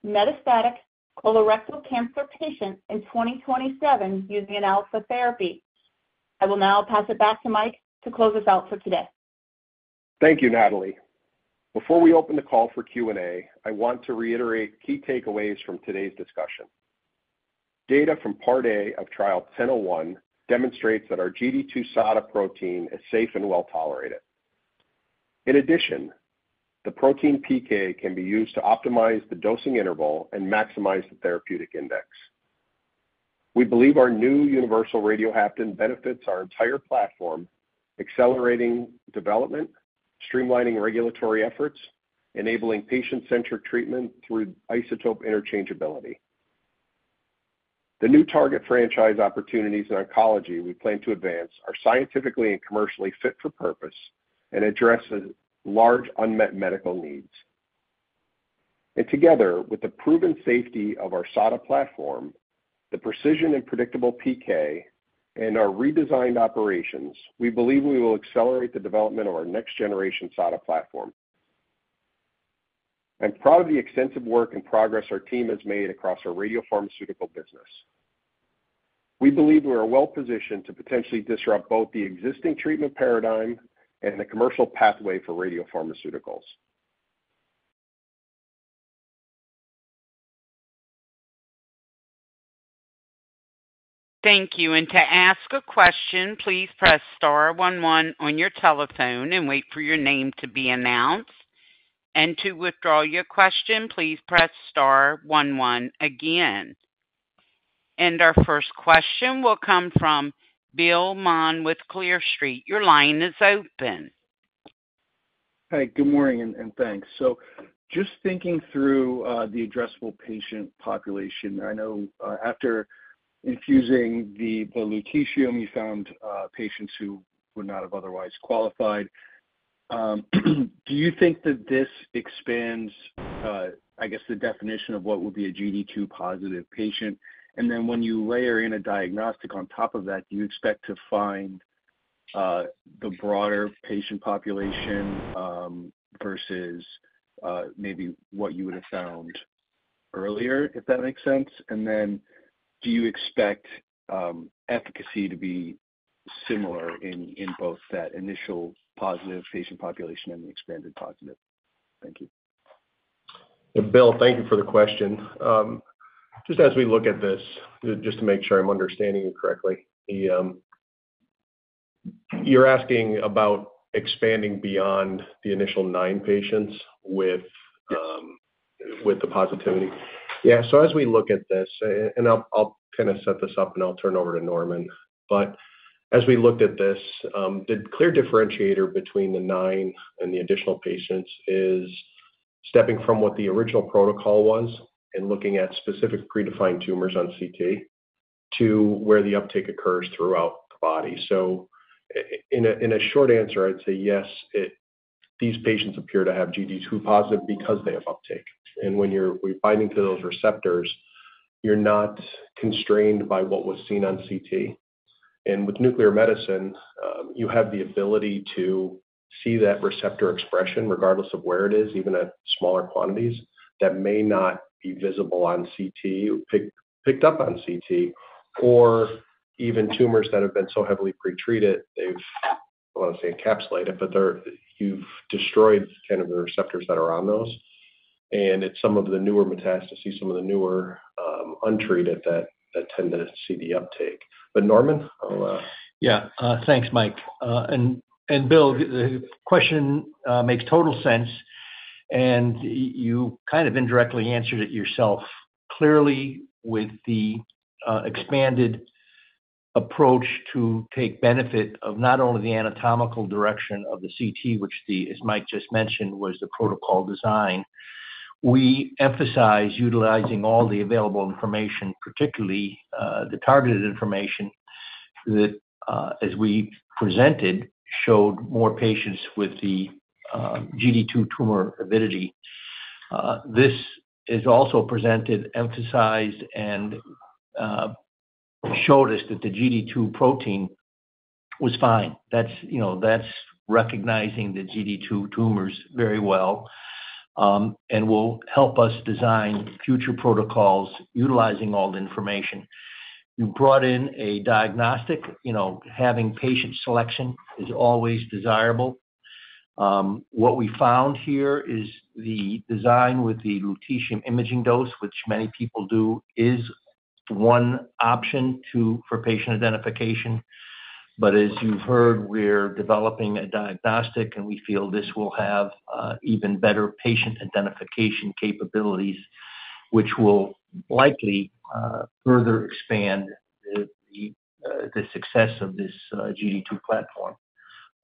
metastatic colorectal cancer patient in 2027 using an alpha therapy. I will now pass it back to Mike to close us out for today. Thank you, Natalie. Before we open the call for Q&A, I want to reiterate key takeaways from today's discussion. Data from part A of trial 1001 demonstrates that our GD2 SOTTA protein is safe and well tolerated. In addition, the protein PK can be used to optimize the dosing interval and maximize the therapeutic index. We believe our new universal radiochelator benefits our entire platform, accelerating development, streamlining regulatory efforts, enabling patient-centric treatment through isotope interchangeability. The new target franchise opportunities in oncology we plan to advance are scientifically and commercially fit for purpose and address large unmet medical needs. Together with the proven safety of our SOTTA platform, the precision and predictable PK, and our redesigned operations, we believe we will accelerate the development of our next-generation SOTTA platform. I'm proud of the extensive work and progress our team has made across our radiopharmaceutical business. We believe we are well positioned to potentially disrupt both the existing treatment paradigm and the commercial pathway for radiopharmaceuticals. Thank you. To ask a question, please press star one one on your telephone and wait for your name to be announced. To withdraw your question, please press star one one again. Our first question will come from Bill Maughan with Clear Street. Your line is open. Hi. Good morning and thanks. Just thinking through the addressable patient population, I know after infusing the lutetium, you found patients who would not have otherwise qualified. Do you think that this expands, I guess, the definition of what would be a GD2 positive patient? When you layer in a diagnostic on top of that, do you expect to find the broader patient population versus maybe what you would have found earlier, if that makes sense? Do you expect efficacy to be similar in both that initial positive patient population and the expanded positive? Thank you. Bill, thank you for the question. Just as we look at this, just to make sure I'm understanding you correctly, you're asking about expanding beyond the initial nine patients with the positivity. Yeah. As we look at this, I'll kind of set this up and I'll turn over to Norman. As we looked at this, the clear differentiator between the nine and the additional patients is stepping from what the original protocol was and looking at specific predefined tumors on CT to where the uptake occurs throughout the body. In a short answer, I'd say yes, these patients appear to have GD2 positive because they have uptake. When you're binding to those receptors, you're not constrained by what was seen on CT. With nuclear medicine, you have the ability to see that receptor expression regardless of where it is, even at smaller quantities that may not be visible on CT, picked up on CT, or even tumors that have been so heavily pretreated, they've, I want to say, encapsulated, but you've destroyed kind of the receptors that are on those.It's some of the newer metastases, some of the newer untreated that tend to see the uptake. Norman, I'll—. Yeah. Thanks, Mike. Bill, the question makes total sense. You kind of indirectly answered it yourself. Clearly, with the expanded approach to take benefit of not only the anatomical direction of the CT, which Mike just mentioned was the protocol design, we emphasize utilizing all the available information, particularly the targeted information that, as we presented, showed more patients with the GD2 tumor avidity. This is also presented, emphasized, and showed us that the GD2 protein was fine. That's recognizing the GD2 tumors very well and will help us design future protocols utilizing all the information. You brought in a diagnostic. Having patient selection is always desirable. What we found here is the design with the lutetium imaging dose, which many people do, is one option for patient identification. But as you've heard, we're developing a diagnostic, and we feel this will have even better patient identification capabilities, which will likely further expand the success of this GD2 platform.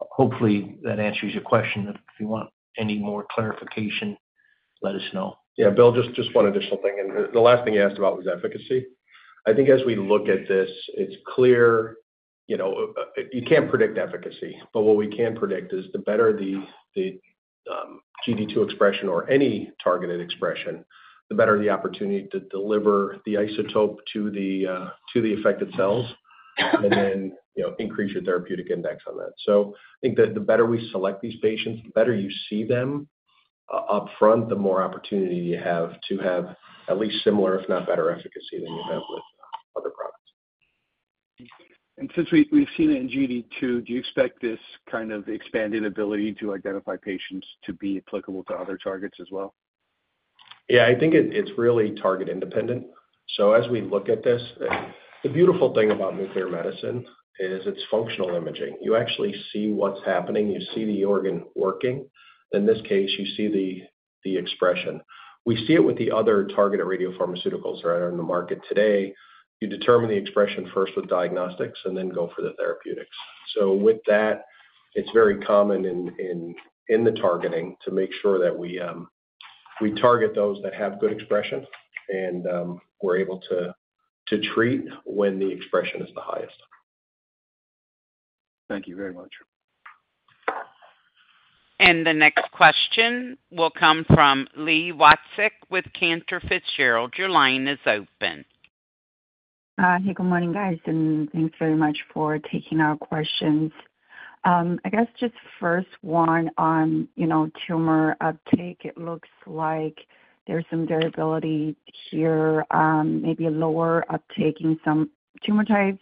Hopefully, that answers your question. If you want any more clarification, let us know. Yeah. Bill, just one additional thing. The last thing you asked about was efficacy. I think as we look at this, it's clear you can't predict efficacy. What we can predict is the better the GD2 expression or any targeted expression, the better the opportunity to deliver the isotope to the affected cells and then increase your therapeutic index on that. I think that the better we select these patients, the better you see them upfront, the more opportunity you have to have at least similar, if not better, efficacy than you have with other products. Since we've seen it in GD2, do you expect this kind of expanded ability to identify patients to be applicable to other targets as well? Yeah. I think it's really target-independent. As we look at this, the beautiful thing about nuclear medicine is its functional imaging. You actually see what's happening. You see the organ working. In this case, you see the expression. We see it with the other targeted radiopharmaceuticals that are in the market today. You determine the expression first with diagnostics and then go for the therapeutics. With that, it's very common in the targeting to make sure that we target those that have good expression and we're able to treat when the expression is the highest. Thank you very much. The next question will come from Li Waek with Cantor Fitzgerald. Your line is open. Hi. Good morning, guys. Thanks very much for taking our questions. I guess just first one on tumor uptake. It looks like there's some variability here, maybe lower uptake in some tumor types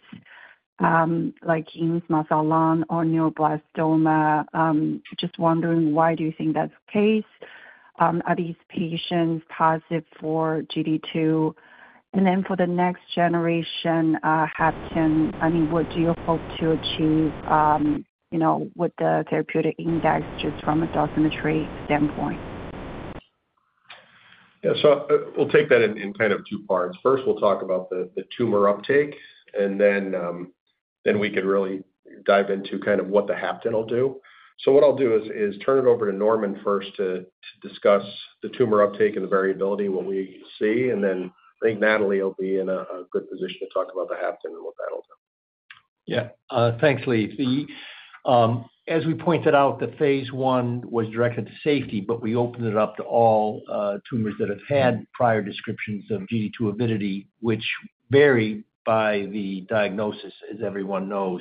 like Ewing's, medulloblastoma, or neuroblastoma. Just wondering why do you think that's the case if these patients are positive for GD2? For the next generation half-life, I mean, what do you hope to achieve with the therapeutic index just from a dosimetry standpoint? Yeah. We'll take that in kind of two parts. First, we'll talk about the tumor uptake, and then we can really dive into kind of what the half-ton will do. What I'll do is turn it over to Norman first to discuss the tumor uptake and the variability, what we see. I think Natalie will be in a good position to talk about the half-ton and what that'll do. Yeah. Thanks, Li. As we pointed out, the phase I was directed to safety, but we opened it up to all tumors that have had prior descriptions of GD2 avidity, which vary by the diagnosis, as everyone knows.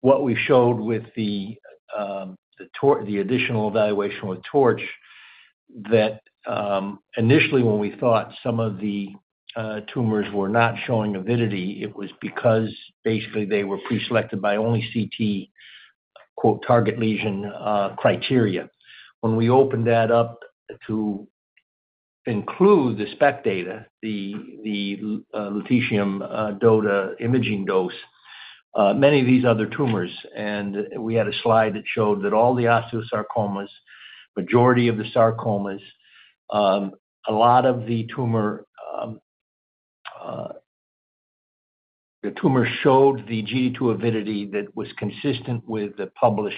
What we showed with the additional evaluation with TORCH, that initially when we thought some of the tumors were not showing avidity, it was because basically they were preselected by only CT "target lesion criteria." When we opened that up to include the SPECT data, the lutetium-DOTA imaging dose, many of these other tumors, and we had a slide that showed that all the osteosarcomas, majority of the sarcomas, a lot of the tumor showed the GD2 avidity that was consistent with the published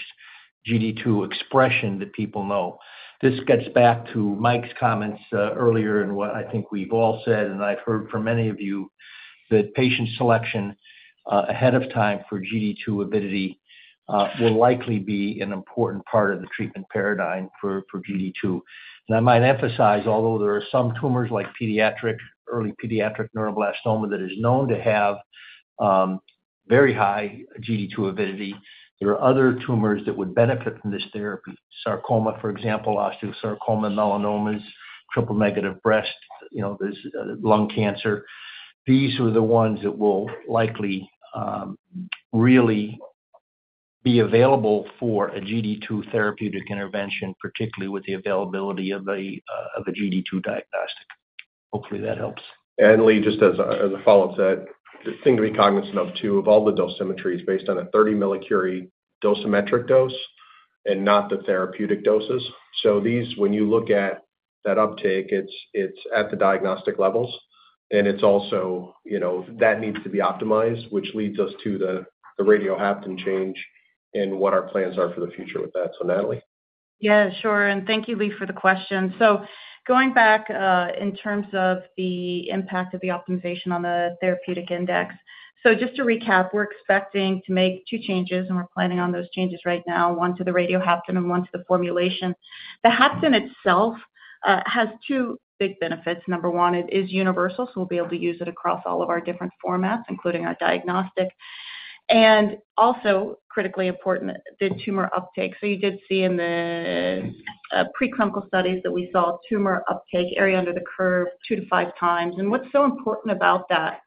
GD2 expression that people know. This gets back to Mike's comments earlier and what I think we've all said, and I've heard from many of you that patient selection ahead of time for GD2 avidity will likely be an important part of the treatment paradigm for GD2. I might emphasize, although there are some tumors like pediatric, early pediatric neuroblastoma that is known to have very high GD2 avidity, there are other tumors that would benefit from this therapy. Sarcoma, for example, osteosarcoma, melanomas, triple-negative breast, there is lung cancer. These are the ones that will likely really be available for a GD2 therapeutic intervention, particularly with the availability of a GD2 diagnostic. Hopefully, that helps. Lee, just as a follow-up to that, the thing to be cognizant of too, all the dosimetry is based on a 30-millicurie dosimetric dose and not the therapeutic doses. When you look at that uptake, it is at the diagnostic levels. It is also that needs to be optimized, which leads us to the radial half-ton change and what our plans are for the future with that. Natalie? Yeah. Sure. Thank you, Li, for the question. Going back in terms of the impact of the optimization on the therapeutic index, just to recap, we're expecting to make two changes, and we're planning on those changes right now, one to the radial half-ton and one to the formulation. The half-ton itself has two big benefits. Number one, it is universal, so we'll be able to use it across all of our different formats, including our diagnostic. Also, critically important, the tumor uptake. You did see in the pre-clinical studies that we saw tumor uptake area under the curve two to five times. What's so important about that,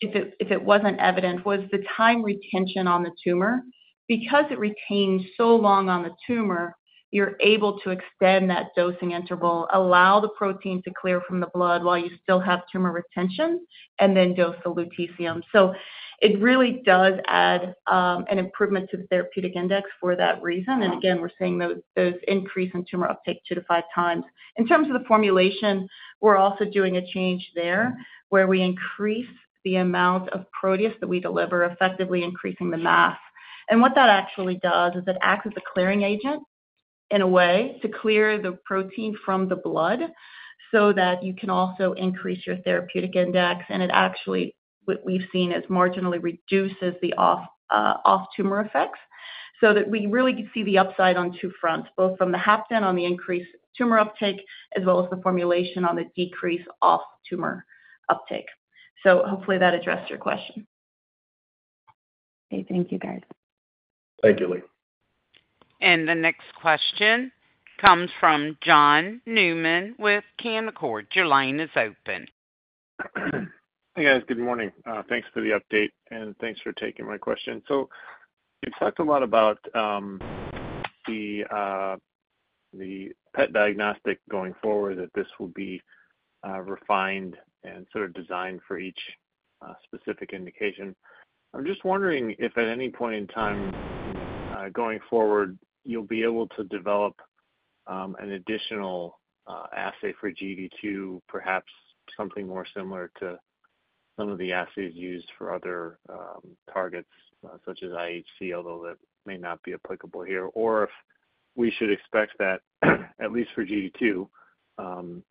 if it wasn't evident, was the time retention on the tumor. Because it retains so long on the tumor, you're able to extend that dosing interval, allow the protein to clear from the blood while you still have tumor retention, and then dose the lutetium. It really does add an improvement to the therapeutic index for that reason. Again, we're seeing those increase in tumor uptake two to five times. In terms of the formulation, we're also doing a change there where we increase the amount of protease that we deliver, effectively increasing the mass. What that actually does is it acts as a clearing agent in a way to clear the protein from the blood so that you can also increase your therapeutic index. What we've seen, it actually marginally reduces the off-tumor effects so that we really see the upside on two fronts, both from the half-ton on the increased tumor uptake as well as the formulation on the decreased off-tumor uptake. Hopefully that addressed your question. Okay. Thank you, guys. Thank you, Lee. The next question comes from John Neumann with Cantor. Your line is open. Hey, guys. Good morning. Thanks for the update, and thanks for taking my question. You have talked a lot about the PET diagnostic going forward, that this will be refined and sort of designed for each specific indication. I'm just wondering if at any point in time going forward, you'll be able to develop an additional assay for GD2, perhaps something more similar to some of the assays used for other targets such as IHC, although that may not be applicable here, or if we should expect that at least for GD2,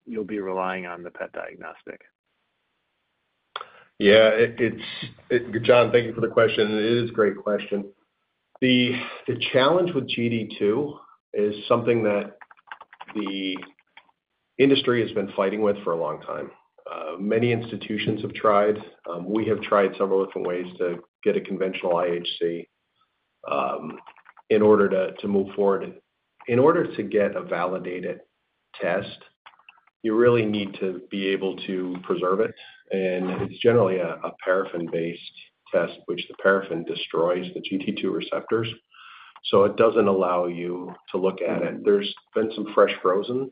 you'll be relying on the PET diagnostic? Yeah. John, thank you for the question. It is a great question. The challenge with GD2 is something that the industry has been fighting with for a long time. Many institutions have tried. We have tried several different ways to get a conventional IHC in order to move forward. In order to get a validated test, you really need to be able to preserve it. And it's generally a paraffin-based test, which the paraffin destroys the GD2 receptors. So it doesn't allow you to look at it. There's been some fresh frozen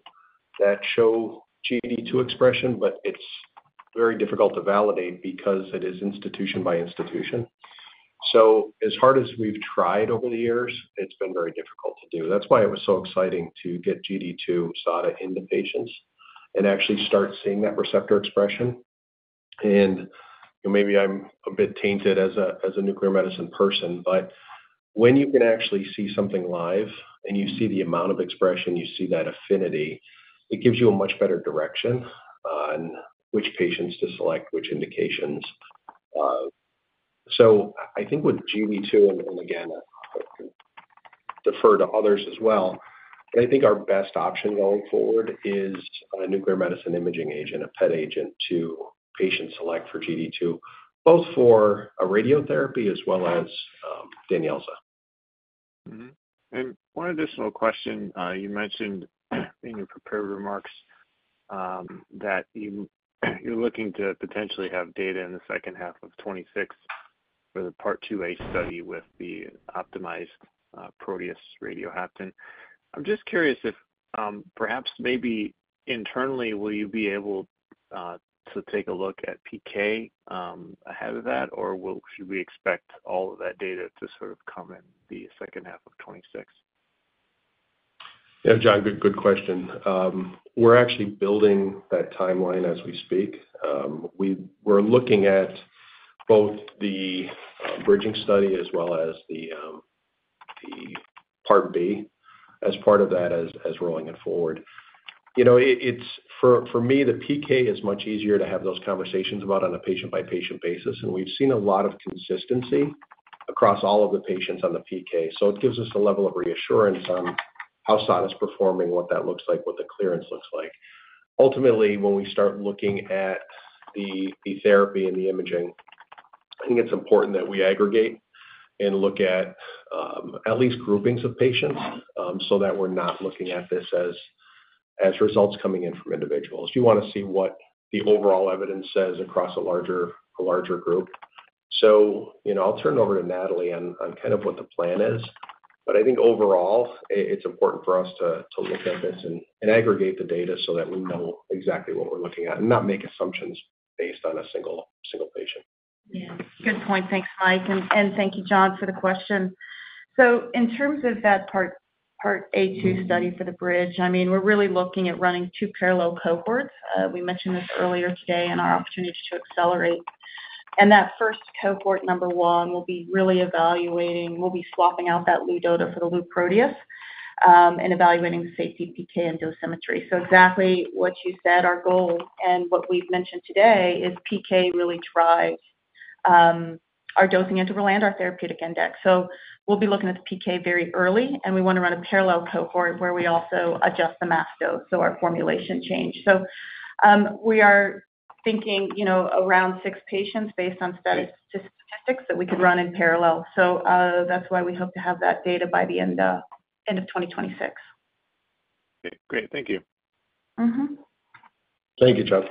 that show GD2 expression, but it's very difficult to validate because it is institution by institution. So as hard as we've tried over the years, it's been very difficult to do. That's why it was so exciting to get GD2 SOTTA into patients and actually start seeing that receptor expression. And maybe I'm a bit tainted as a nuclear medicine person, but when you can actually see something live and you see the amount of expression, you see that affinity, it gives you a much better direction on which patients to select, which indications. I think with GD2, and again, I defer to others as well, but I think our best option going forward is a nuclear medicine imaging agent, a PET agent to patient select for GD2, both for radiotherapy as well as Danyelza. One additional question. You mentioned in your prepared remarks that you're looking to potentially have data in the second half of 2026 for the part 2A study with the optimized Proteus radiolabeled half-life. I'm just curious if perhaps maybe internally, will you be able to take a look at PK ahead of that, or should we expect all of that data to sort of come in the second half of 2026? Yeah. John, good question. We're actually building that timeline as we speak. We're looking at both the bridging study as well as the part B as part of that as rolling it forward. For me, the PK is much easier to have those conversations about on a patient-by-patient basis. We've seen a lot of consistency across all of the patients on the PK. It gives us a level of reassurance on how SADA's performing, what that looks like, what the clearance looks like. Ultimately, when we start looking at the therapy and the imaging, I think it's important that we aggregate and look at at least groupings of patients so that we're not looking at this as results coming in from individuals. You want to see what the overall evidence says across a larger group. I'll turn it over to Natalie on kind of what the plan is. I think overall, it's important for us to look at this and aggregate the data so that we know exactly what we're looking at and not make assumptions based on a single patient. Yeah. Good point. Thanks, Mike. And thank you, John, for the question. In terms of that part A2 study for the bridge, I mean, we're really looking at running two parallel cohorts. We mentioned this earlier today in our opportunity to accelerate. That first cohort, number one, we'll be really evaluating. We'll be swapping out that Luzoda for the Lu Proteus and evaluating the safety, PK, and dosimetry. Exactly what you said, our goal and what we've mentioned today is PK really drives our dosing interval and our therapeutic index. We'll be looking at the PK very early, and we want to run a parallel cohort where we also adjust the mass dose, so our formulation change. We are thinking around six patients based on statistics that we could run in parallel. That's why we hope to have that data by the end of 2026. Okay. Great. Thank you. Thank you, John.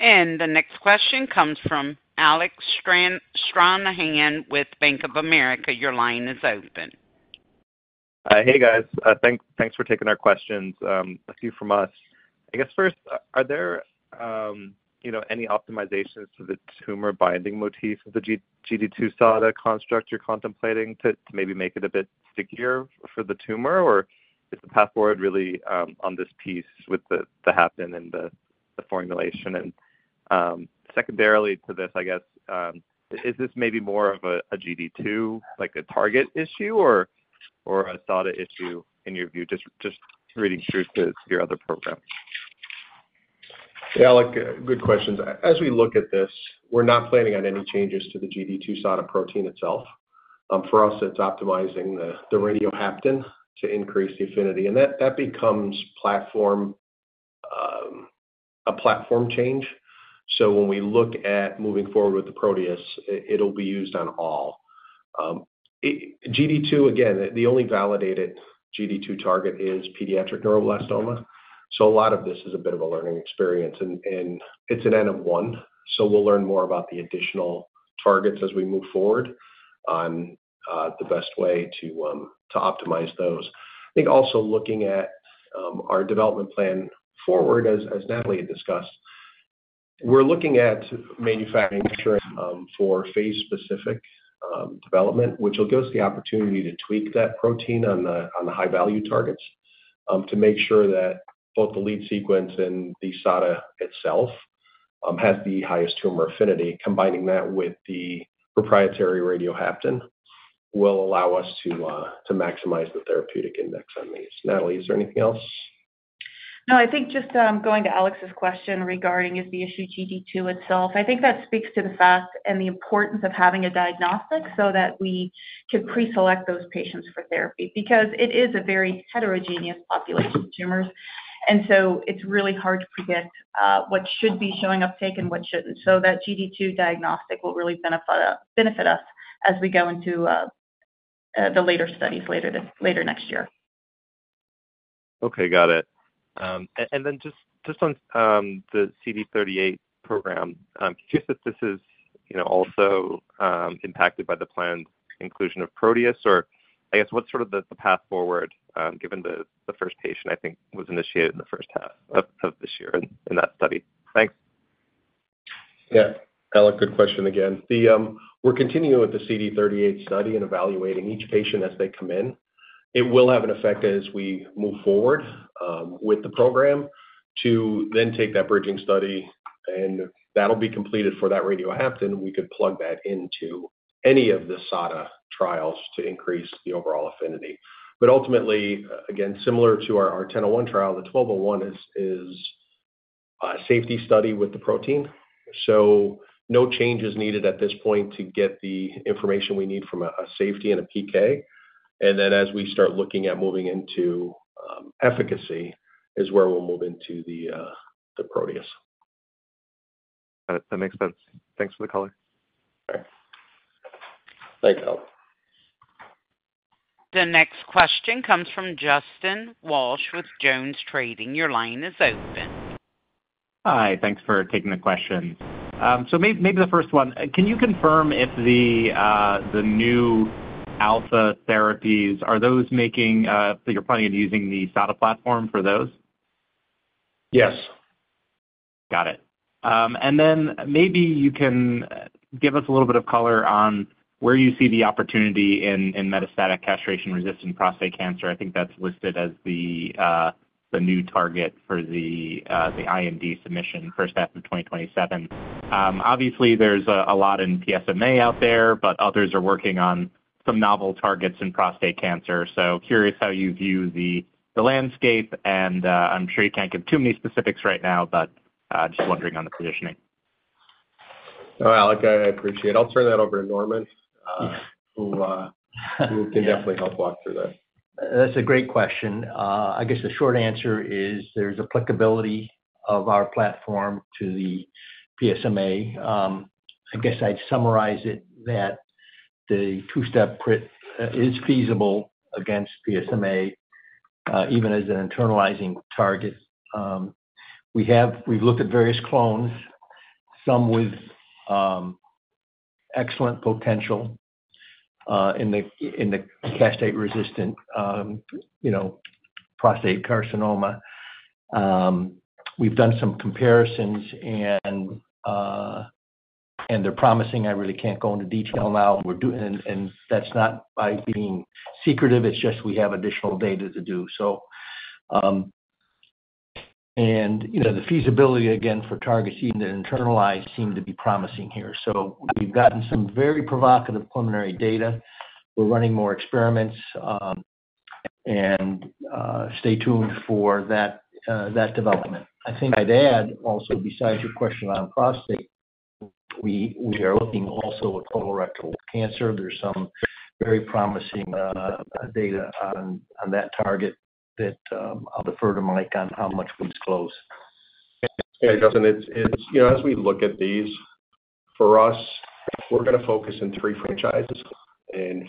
The next question comes from Alec Stranahan with Bank of America. Your line is open. Hey, guys. Thanks for taking our questions. A few from us. I guess first, are there any optimizations to the tumor binding motif of the GD2-SADA construct you're contemplating to maybe make it a bit stickier for the tumor, or is the path forward really on this piece with the half-ton and the formulation? Secondarily to this, I guess, is this maybe more of a GD2 target issue or a SADA issue in your view, just reading through your other program? Yeah. Good questions. As we look at this, we're not planning on any changes to the GD2 SADA protein itself. For us, it's optimizing the radial half-ton to increase the affinity. That becomes a platform change. When we look at moving forward with the protease, it'll be used on all. GD2, again, the only validated GD2 target is pediatric neuroblastoma. A lot of this is a bit of a learning experience, and it's an N of one. We'll learn more about the additional targets as we move forward on the best way to optimize those. I think also looking at our development plan forward, as Natalie had discussed, we're looking at manufacturing for phase-specific development, which will give us the opportunity to tweak that protein on the high-value targets to make sure that both the lead sequence and the SADA itself has the highest tumor affinity. Combining that with the proprietary radiochelator will allow us to maximize the therapeutic index on these. Natalie, is there anything else? No, I think just going to Alec's question regarding is the issue GD2 itself. I think that speaks to the fact and the importance of having a diagnostic so that we can preselect those patients for therapy because it is a very heterogeneous population of tumors. It is really hard to predict what should be showing uptake and what should not. That GD2 diagnostic will really benefit us as we go into the later studies later next year. Okay. Got it. And then just on the CD38 program, do you think this is also impacted by the planned inclusion of Proteus, or I guess what's sort of the path forward given the first patient, I think, was initiated in the first half of this year in that study? Thanks. Yeah. Good question again. We're continuing with the CD38 study and evaluating each patient as they come in. It will have an effect as we move forward with the program to then take that bridging study, and that'll be completed for that radial half-ton. We could plug that into any of the SADA trials to increase the overall affinity. Ultimately, again, similar to our 10-01 trial, the 12-01 is a safety study with the protein. No change is needed at this point to get the information we need from a safety and a PK. As we start looking at moving into efficacy is where we'll move into the protease. That makes sense. Thanks for the call. Thanks, Alec. The next question comes from Justin Walsh with JonesTrading. Your line is open. Hi. Thanks for taking the question. Maybe the first one. Can you confirm if the new alpha therapies, are those making that you're planning on using the SADA platform for those? Yes. Got it. Maybe you can give us a little bit of color on where you see the opportunity in metastatic castration-resistant prostate cancer. I think that's listed as the new target for the IND submission for staff of 2027. Obviously, there's a lot in PSMA out there, but others are working on some novel targets in prostate cancer. Curious how you view the landscape. I'm sure you can't give too many specifics right now, but just wondering on the positioning. Oh, Get, I appreciate it. I'll turn that over to Norman, who can definitely help walk through that. That's a great question. I guess the short answer is there's applicability of our platform to the PSMA. I'd summarize it that the two-step PRIT is feasible against PSMA even as an internalizing target. We've looked at various clones, some with excellent potential in the castrate-resistant prostate carcinoma. We've done some comparisons, and they're promising. I really can't go into detail now. That's not by being secretive. It's just we have additional data to do. The feasibility, again, for targets that seem to internalize seem to be promising here. We have gotten some very provocative preliminary data. We are running more experiments. Stay tuned for that development. I think I would add also, besides your question on prostate, we are looking also at colorectal cancer. There is some very promising data on that target that I will defer to Mike on how much we disclose. Yeah. Justin, as we look at these, for us, we are going to focus in three franchises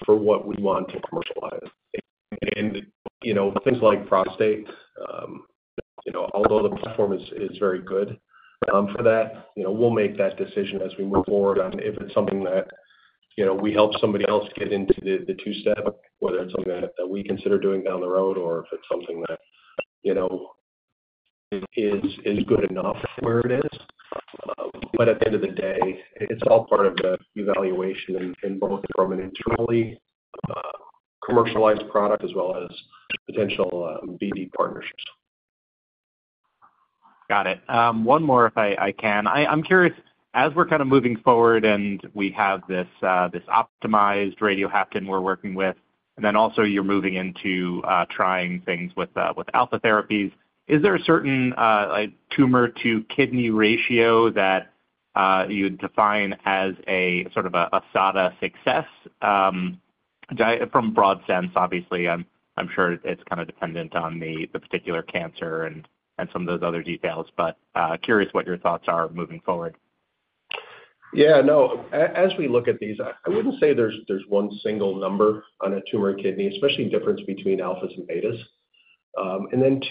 for what we want to commercialize. Things like prostate, although the platform is very good for that, we will make that decision as we move forward on if it is something that we help somebody else get into the two-step, whether it is something that we consider doing down the road or if it is something that is good enough where it is, At the end of the day, it's all part of the evaluation and both from an internally commercialized product as well as potential BD partnerships. Got it. One more, if I can. I'm curious, as we're kind of moving forward and we have this optimized radial half-ton we're working with, and then also you're moving into trying things with alpha therapies, is there a certain tumor-to-kidney ratio that you define as sort of a SADA success? From broad sense, obviously, I'm sure it's kind of dependent on the particular cancer and some of those other details, but curious what your thoughts are moving forward. Yeah. No. As we look at these, I wouldn't say there's one single number on a tumor kidney, especially difference between alphas and betas.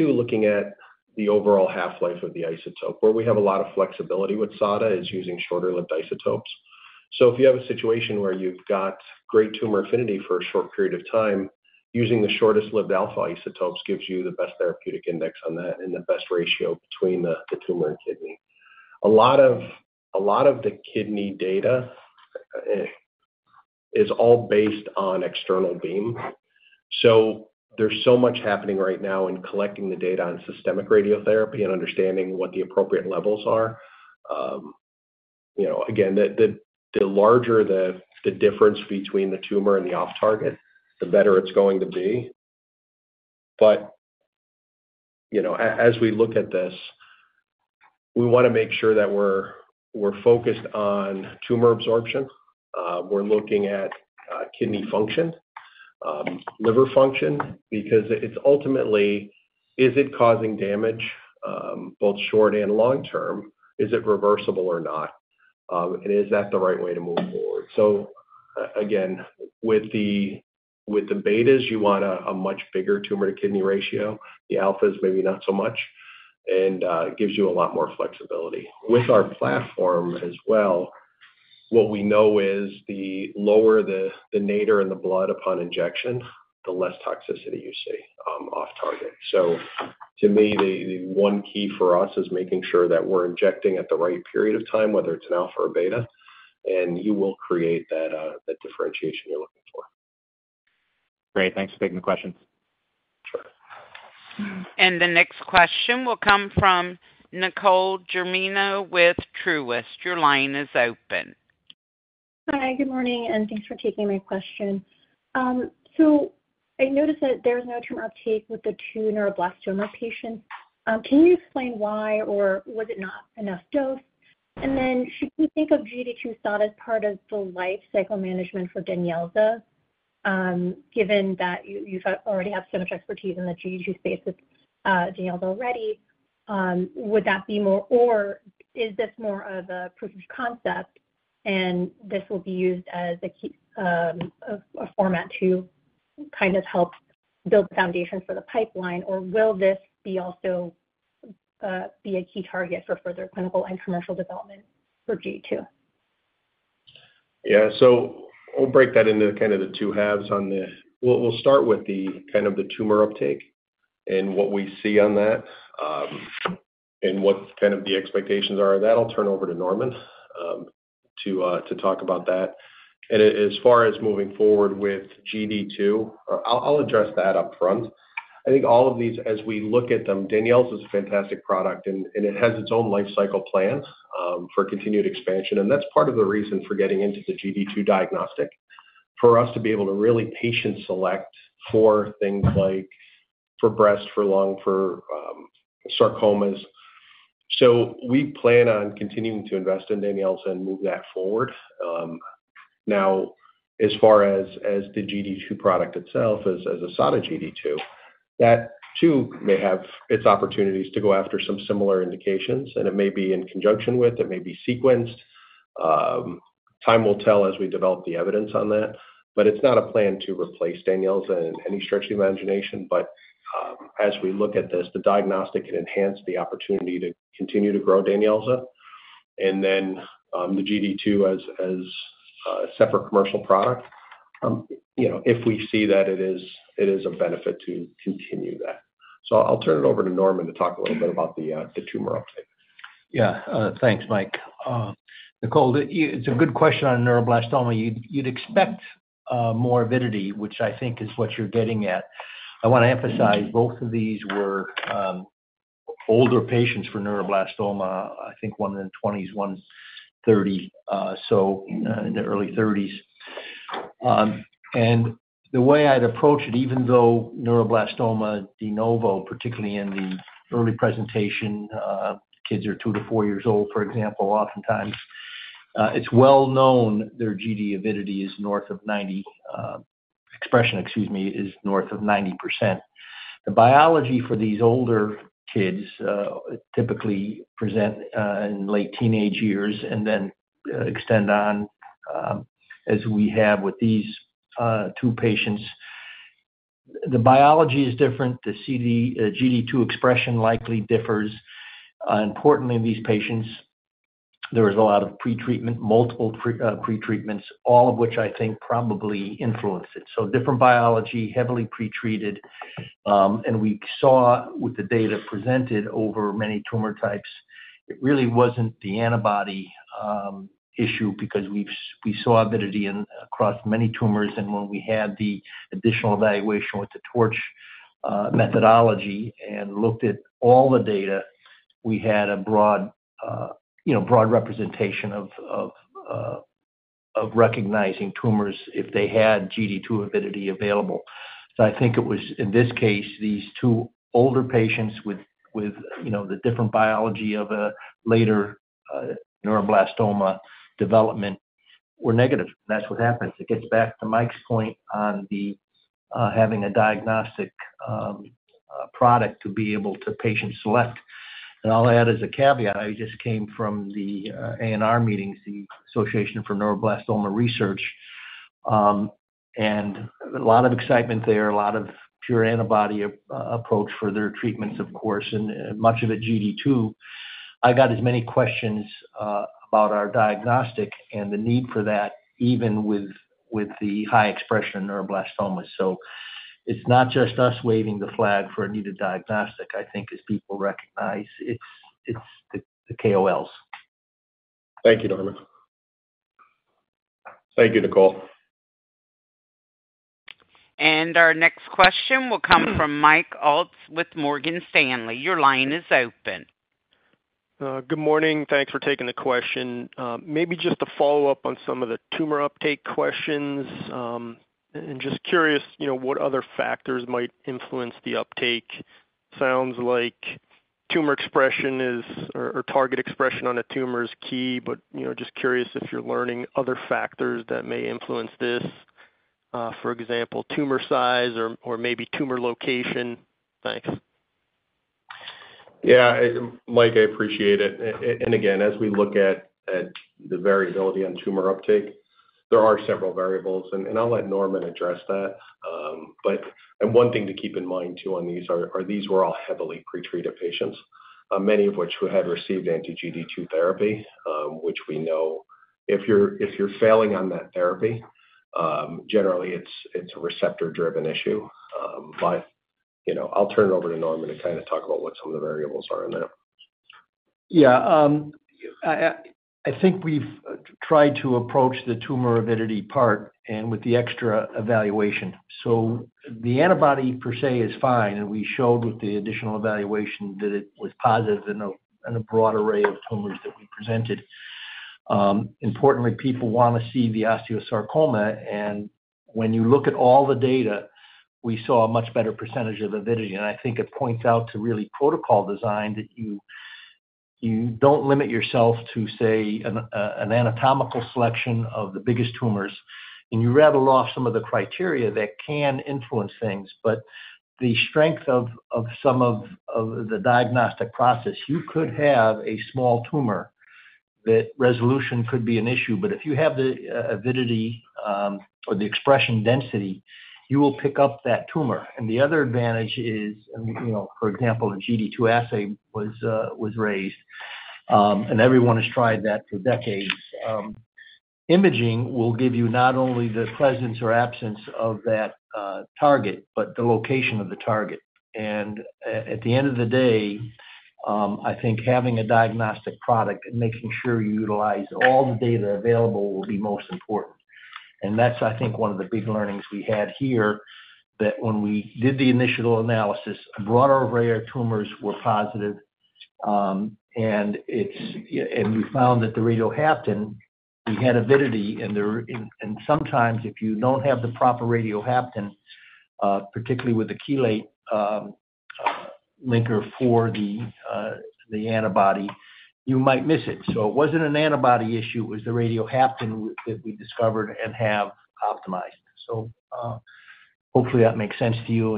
Looking at the overall half-life of the isotope, where we have a lot of flexibility with SADA is using shorter-lived isotopes. If you have a situation where you've got great tumor affinity for a short period of time, using the shortest-lived alpha isotopes gives you the best therapeutic index on that and the best ratio between the tumor and kidney. A lot of the kidney data is all based on external beam. There is so much happening right now in collecting the data on systemic radiotherapy and understanding what the appropriate levels are. Again, the larger the difference between the tumor and the off-target, the better it's going to be. As we look at this, we want to make sure that we're focused on tumor absorption. We're looking at kidney function, liver function, because it's ultimately, is it causing damage both short and long-term? Is it reversible or not? Is that the right way to move forward? Again, with the betas, you want a much bigger tumor-to-kidney ratio. The alphas, maybe not so much, and it gives you a lot more flexibility. With our platform as well, what we know is the lower the nadir in the blood upon injection, the less toxicity you see off-target. To me, the one key for us is making sure that we're injecting at the right period of time, whether it's an alpha or beta, and you will create that differentiation you're looking for. Great. Thanks for taking the questions. Sure. The next question will come from Nicole Germino with Truist. Your line is open. Hi. Good morning. Thanks for taking my question. I noticed that there was no tumor uptake with the two neuroblastoma patients. Can you explain why or was it not enough dose? Should we think of GD2 SOTTA as part of the life cycle management for Danyelza, given that you already have so much expertise in the GD2 space with Danyelza already? Would that be more or is this more of a proof of concept and this will be used as a format to kind of help build the foundation for the pipeline, or will this also be a key target for further clinical and commercial development for GD2? Yeah. We'll break that into the two halves. We'll start with the tumor uptake and what we see on that and what the expectations are. That'll turn over to Norman to talk about that. As far as moving forward with GD2, I'll address that upfront. I think all of these, as we look at them, Danyelza is a fantastic product, and it has its own life cycle plan for continued expansion. That is part of the reason for getting into the GD2 diagnostic for us to be able to really patient select for things like for breast, for lung, for sarcomas. We plan on continuing to invest in Danyelza and move that forward. Now, as far as the GD2 product itself as a SADA GD2, that too may have its opportunities to go after some similar indications, and it may be in conjunction with, it may be sequenced. Time will tell as we develop the evidence on that. It is not a plan to replace Danyelza in any stretch of the imagination. As we look at this, the diagnostic can enhance the opportunity to continue to grow Danyelza. Then the GD2 as a separate commercial product, if we see that it is a benefit to continue that. I'll turn it over to Norman to talk a little bit about the tumor uptake. Yeah. Thanks, Mike. Nicole, it's a good question on neuroblastoma. You'd expect more avidity, which I think is what you're getting at. I want to emphasize both of these were older patients for neuroblastoma, I think one in the 20s, one in the 30s, so in the early 30s. The way I'd approach it, even though neuroblastoma de novo, particularly in the early presentation, kids are two to four years old, for example, oftentimes, it's well known their GD avidity is north of 90 expression, excuse me, is north of 90%. The biology for these older kids typically present in late teenage years and then extend on as we have with these two patients. The biology is different. The GD2 expression likely differs. Importantly, in these patients, there was a lot of pretreatment, multiple pretreatments, all of which I think probably influenced it. Different biology, heavily pretreated. We saw with the data presented over many tumor types, it really was not the antibody issue because we saw avidity across many tumors. When we had the additional evaluation with the TORCH methodology and looked at all the data, we had a broad representation of recognizing tumors if they had GD2 avidity available. I think it was, in this case, these two older patients with the different biology of a later neuroblastoma development were negative. That is what happens. It gets back to Mike's point on having a diagnostic product to be able to patient select. I'll add as a caveat, I just came from the ANR meetings, the Association for Neuroblastoma Research, and a lot of excitement there, a lot of pure antibody approach for their treatments, of course, and much of it GD2. I got as many questions about our diagnostic and the need for that even with the high expression of neuroblastoma. It's not just us waving the flag for a needed diagnostic, I think, as people recognize it's the KOLs. Thank you, Norman. Thank you, Nicole. Our next question will come from Mike Alts with Morgan Stanley. Your line is open. Good morning. Thanks for taking the question. Maybe just to follow up on some of the tumor uptake questions and just curious what other factors might influence the uptake. Sounds like tumor expression or target expression on a tumor is key, but just curious if you're learning other factors that may influence this, for example, tumor size or maybe tumor location. Thanks. Yeah. Mike, I appreciate it. And again, as we look at the variability on tumor uptake, there are several variables. I'll let Norman address that. One thing to keep in mind too on these are these were all heavily pretreated patients, many of which had received anti-GD2 therapy, which we know if you're failing on that therapy, generally, it's a receptor-driven issue. I'll turn it over to Norman to kind of talk about what some of the variables are in there. Yeah. I think we've tried to approach the tumor avidity part and with the extra evaluation. The antibody per se is fine. We showed with the additional evaluation that it was positive in a broad array of tumors that we presented. Importantly, people want to see the osteosarcoma. When you look at all the data, we saw a much better percentage of avidity. I think it points out to really protocol design that you do not limit yourself to, say, an anatomical selection of the biggest tumors. You rattle off some of the criteria that can influence things. The strength of some of the diagnostic process, you could have a small tumor that resolution could be an issue. If you have the avidity or the expression density, you will pick up that tumor. The other advantage is, for example, a GD2 assay was raised. Everyone has tried that for decades. Imaging will give you not only the presence or absence of that target, but the location of the target. At the end of the day, I think having a diagnostic product and making sure you utilize all the data available will be most important. That is, I think, one of the big learnings we had here, that when we did the initial analysis, a broad array of tumors were positive. We found that the radial half-ton, we had avidity. Sometimes, if you do not have the proper radial half-ton, particularly with the chelate linker for the antibody, you might miss it. It was not an antibody issue. It was the radial half-ton that we discovered and have optimized. Hopefully, that makes sense to you.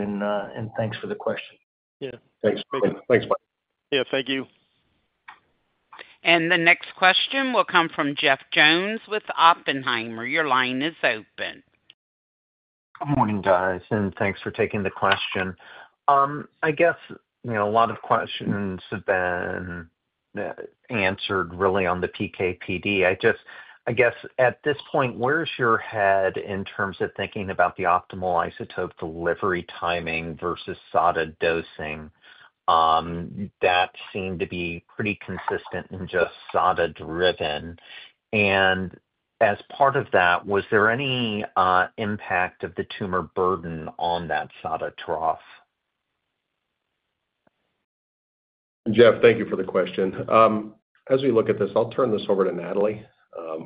Thanks for the question. Yeah. Thanks. Thanks, Mike. Yeah. Thank you. The next question will come from Jeff Jones with Oppenheimer. Your line is open. Good morning, guys. Thanks for taking the question. I guess a lot of questions have been answered really on the PKPD. I guess at this point, where's your head in terms of thinking about the optimal isotope delivery timing versus SADA dosing? That seemed to be pretty consistent and just SADA-driven. As part of that, was there any impact of the tumor burden on that SADA trough? Jeff, thank you for the question. As we look at this, I'll turn this over to Natalie,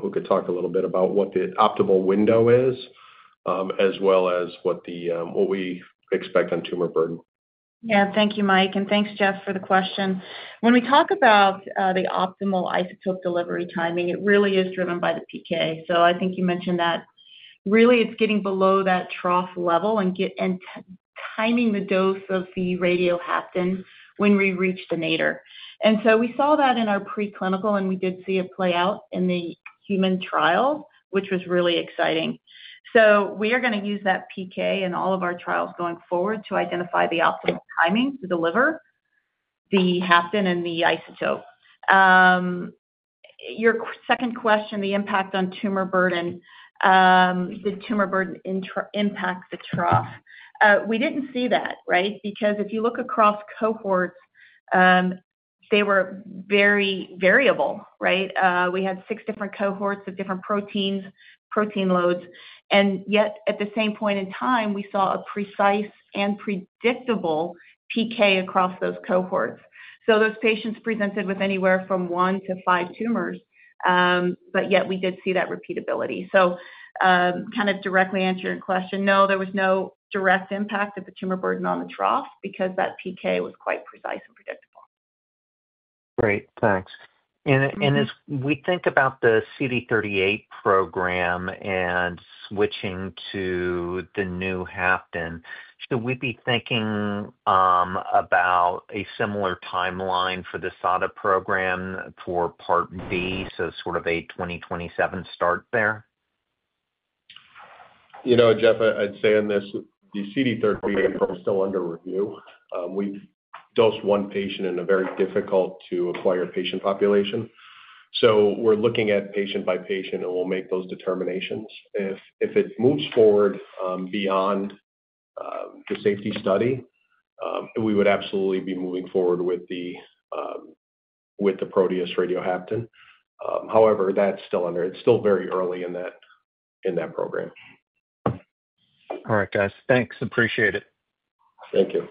who could talk a little bit about what the optimal window is as well as what we expect on tumor burden. Yeah. Thank you, Mike. Thanks, Jeff, for the question. When we talk about the optimal isotope delivery timing, it really is driven by the PK. I think you mentioned that really it's getting below that trough level and timing the dose of the radiochelator when we reach the nadir. We saw that in our preclinical, and we did see it play out in the human trial, which was really exciting. We are going to use that PK in all of our trials going forward to identify the optimal timing to deliver the radiochelator and the isotope. Your second question, the impact on tumor burden, the tumor burden impacts the trough. We didn't see that, right? Because if you look across cohorts, they were very variable, right? We had six different cohorts of different proteins, protein loads. Yet, at the same point in time, we saw a precise and predictable PK across those cohorts. Those patients presented with anywhere from one to five tumors, but yet we did see that repeatability. Kind of directly answering your question, no, there was no direct impact of the tumor burden on the trough because that PK was quite precise and predictable. Great. Thanks. As we think about the CD38 program and switching to the new half-ton, should we be thinking about a similar timeline for the SADA program for part B, so sort of a 2027 start there? Jeff, I'd say on this, the CD38 is still under review. We've dosed one patient in a very difficult-to-acquire patient population. We're looking at patient by patient, and we'll make those determinations. If it moves forward beyond the safety study, we would absolutely be moving forward with the Proteus radial half-ton. However, that's still very early in that program. All right, guys. Thanks. Appreciate it. Thank you.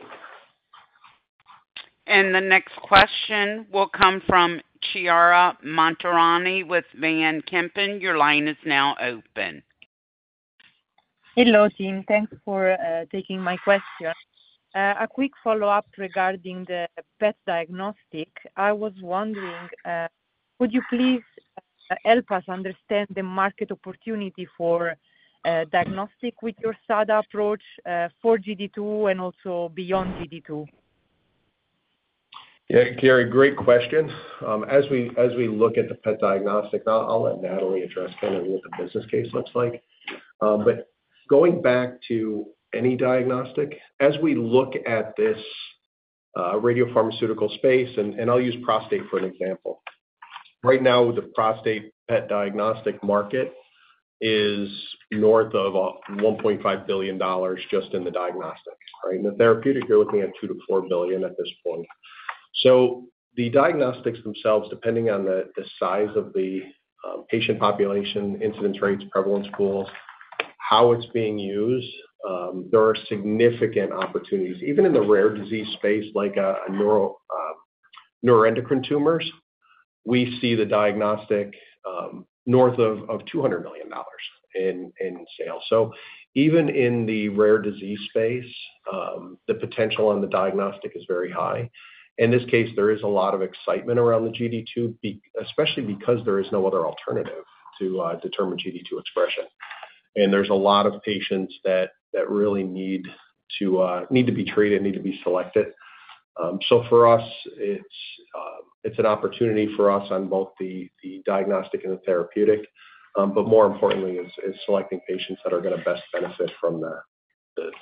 The next question will come from Chiara Montironi with Van Kempen. Your line is now open. Hello, team. Thanks for taking my question. A quick follow-up regarding the PET diagnostic. I was wondering, would you please help us understand the market opportunity for diagnostic with your SADA approach for GD2 and also beyond GD2? Yeah, Chiara, great question. As we look at the PET diagnostic, I'll let Natalie address kind of what the business case looks like. Going back to any diagnostic, as we look at this radiopharmaceutical space, and I'll use prostate for an example. Right now, the prostate PET diagnostic market is north of $1.5 billion just in the diagnostic, right? In the therapeutic, you're looking at $2 billion-$4 billion at this point. The diagnostics themselves, depending on the size of the patient population, incidence rates, prevalence pools, how it is being used, there are significant opportunities. Even in the rare disease space, like neuroendocrine tumors, we see the diagnostic north of $200 million in sales. Even in the rare disease space, the potential on the diagnostic is very high. In this case, there is a lot of excitement around the GD2, especially because there is no other alternative to determine GD2 expression. There are a lot of patients that really need to be treated, need to be selected. For us, it is an opportunity for us on both the diagnostic and the therapeutic, but more importantly, it is selecting patients that are going to best benefit from the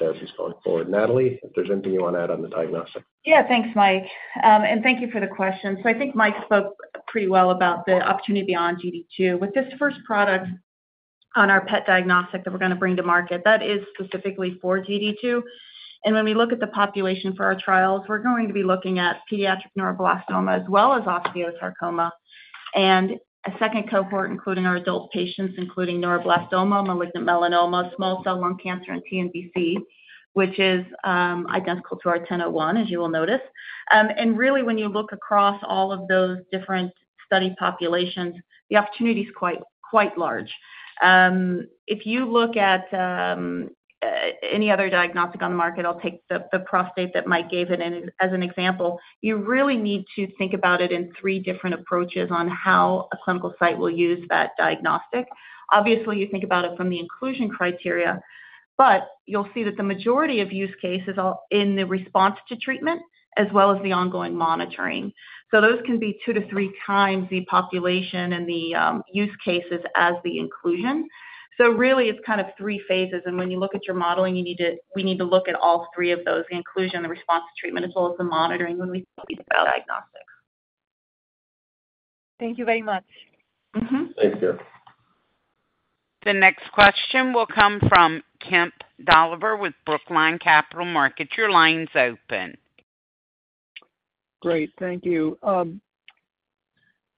therapies going forward. Natalie, if there is anything you want to add on the diagnostic. Yeah. Thanks, Mike. And thank you for the question. I think Mike spoke pretty well about the opportunity beyond GD2. With this first product on our PET diagnostic that we're going to bring to market, that is specifically for GD2. When we look at the population for our trials, we're going to be looking at pediatric neuroblastoma as well as osteosarcoma and a second cohort, including our adult patients, including neuroblastoma, malignant melanoma, small cell lung cancer, and TMBC, which is identical to our 1001, as you will notice. Really, when you look across all of those different study populations, the opportunity is quite large. If you look at any other diagnostic on the market, I'll take the prostate that Mike gave as an example. You really need to think about it in three different approaches on how a clinical site will use that diagnostic. Obviously, you think about it from the inclusion criteria, but you'll see that the majority of use cases are in the response to treatment as well as the ongoing monitoring. Those can be two to three times the population and the use cases as the inclusion. It is kind of three phases. When you look at your modeling, we need to look at all three of those: the inclusion, the response to treatment, as well as the monitoring when we think about diagnostics. Thank you very much. Thanks, Girl. The next question will come from Kemp Dolliver with Brookline Capital Markets. Your line's open. Great. Thank you.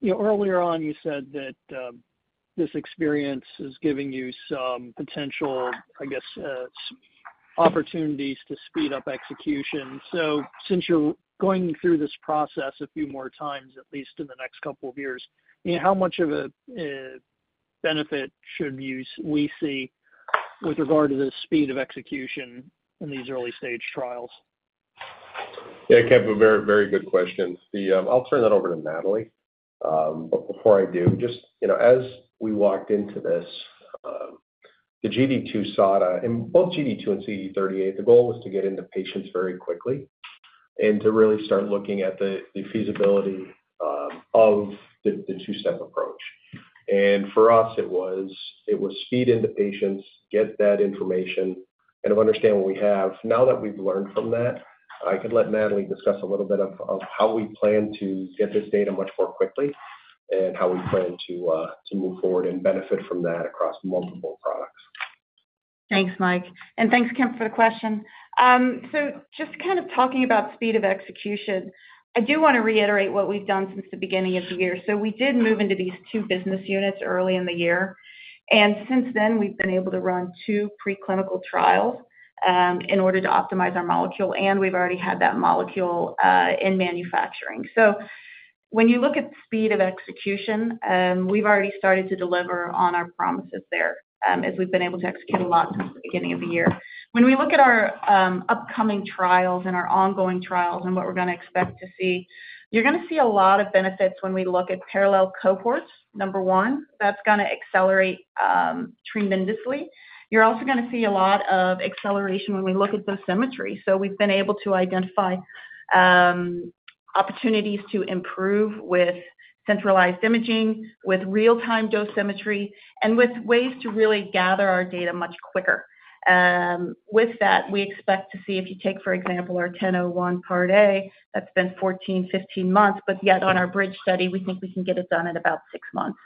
Earlier on, you said that this experience is giving you some potential, I guess, opportunities to speed up execution. Since you're going through this process a few more times, at least in the next couple of years, how much of a benefit should we see with regard to the speed of execution in these early-stage trials? Yeah. Kemp, a very, very good question. I'll turn that over to Natalie. Before I do, just as we walked into this, the GD2 SOTTA and both GD2 and CD38, the goal was to get into patients very quickly and to really start looking at the feasibility of the two-step approach. For us, it was speed into patients, get that information, and understand what we have. Now that we've learned from that, I could let Natalie discuss a little bit of how we plan to get this data much more quickly and how we plan to move forward and benefit from that across multiple products. Thanks, Mike. Thank you, Kemp, for the question. Just kind of talking about speed of execution, I do want to reiterate what we've done since the beginning of the year. We did move into these two business units early in the year. Since then, we've been able to run two preclinical trials in order to optimize our molecule. We've already had that molecule in manufacturing. When you look at speed of execution, we've already started to deliver on our promises there as we've been able to execute a lot since the beginning of the year. When we look at our upcoming trials and our ongoing trials and what we're going to expect to see, you're going to see a lot of benefits when we look at parallel cohorts, number one. That's going to accelerate tremendously. You're also going to see a lot of acceleration when we look at dosimetry. We've been able to identify opportunities to improve with centralized imaging, with real-time dosimetry, and with ways to really gather our data much quicker. With that, we expect to see if you take, for example, our 1001 part A, that's been 14-15 months, but yet on our bridge study, we think we can get it done in about six months.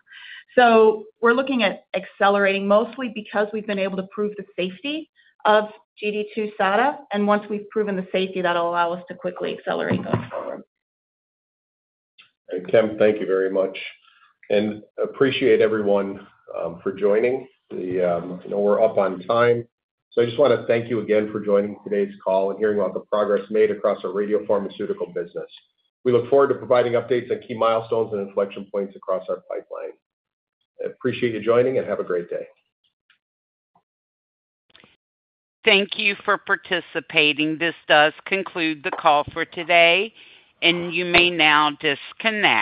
We're looking at accelerating mostly because we've been able to prove the safety of GD2-SADA. Once we've proven the safety, that'll allow us to quickly accelerate going forward. Kemp, Thank you very much. Appreciate everyone for joining. We're up on time. I just want to thank you again for joining today's call and hearing about the progress made across our radiopharmaceutical business. We look forward to providing updates on key milestones and inflection points across our pipeline. Appreciate you joining, and have a great day. Thank you for participating. This does conclude the call for today. You may now disconnect.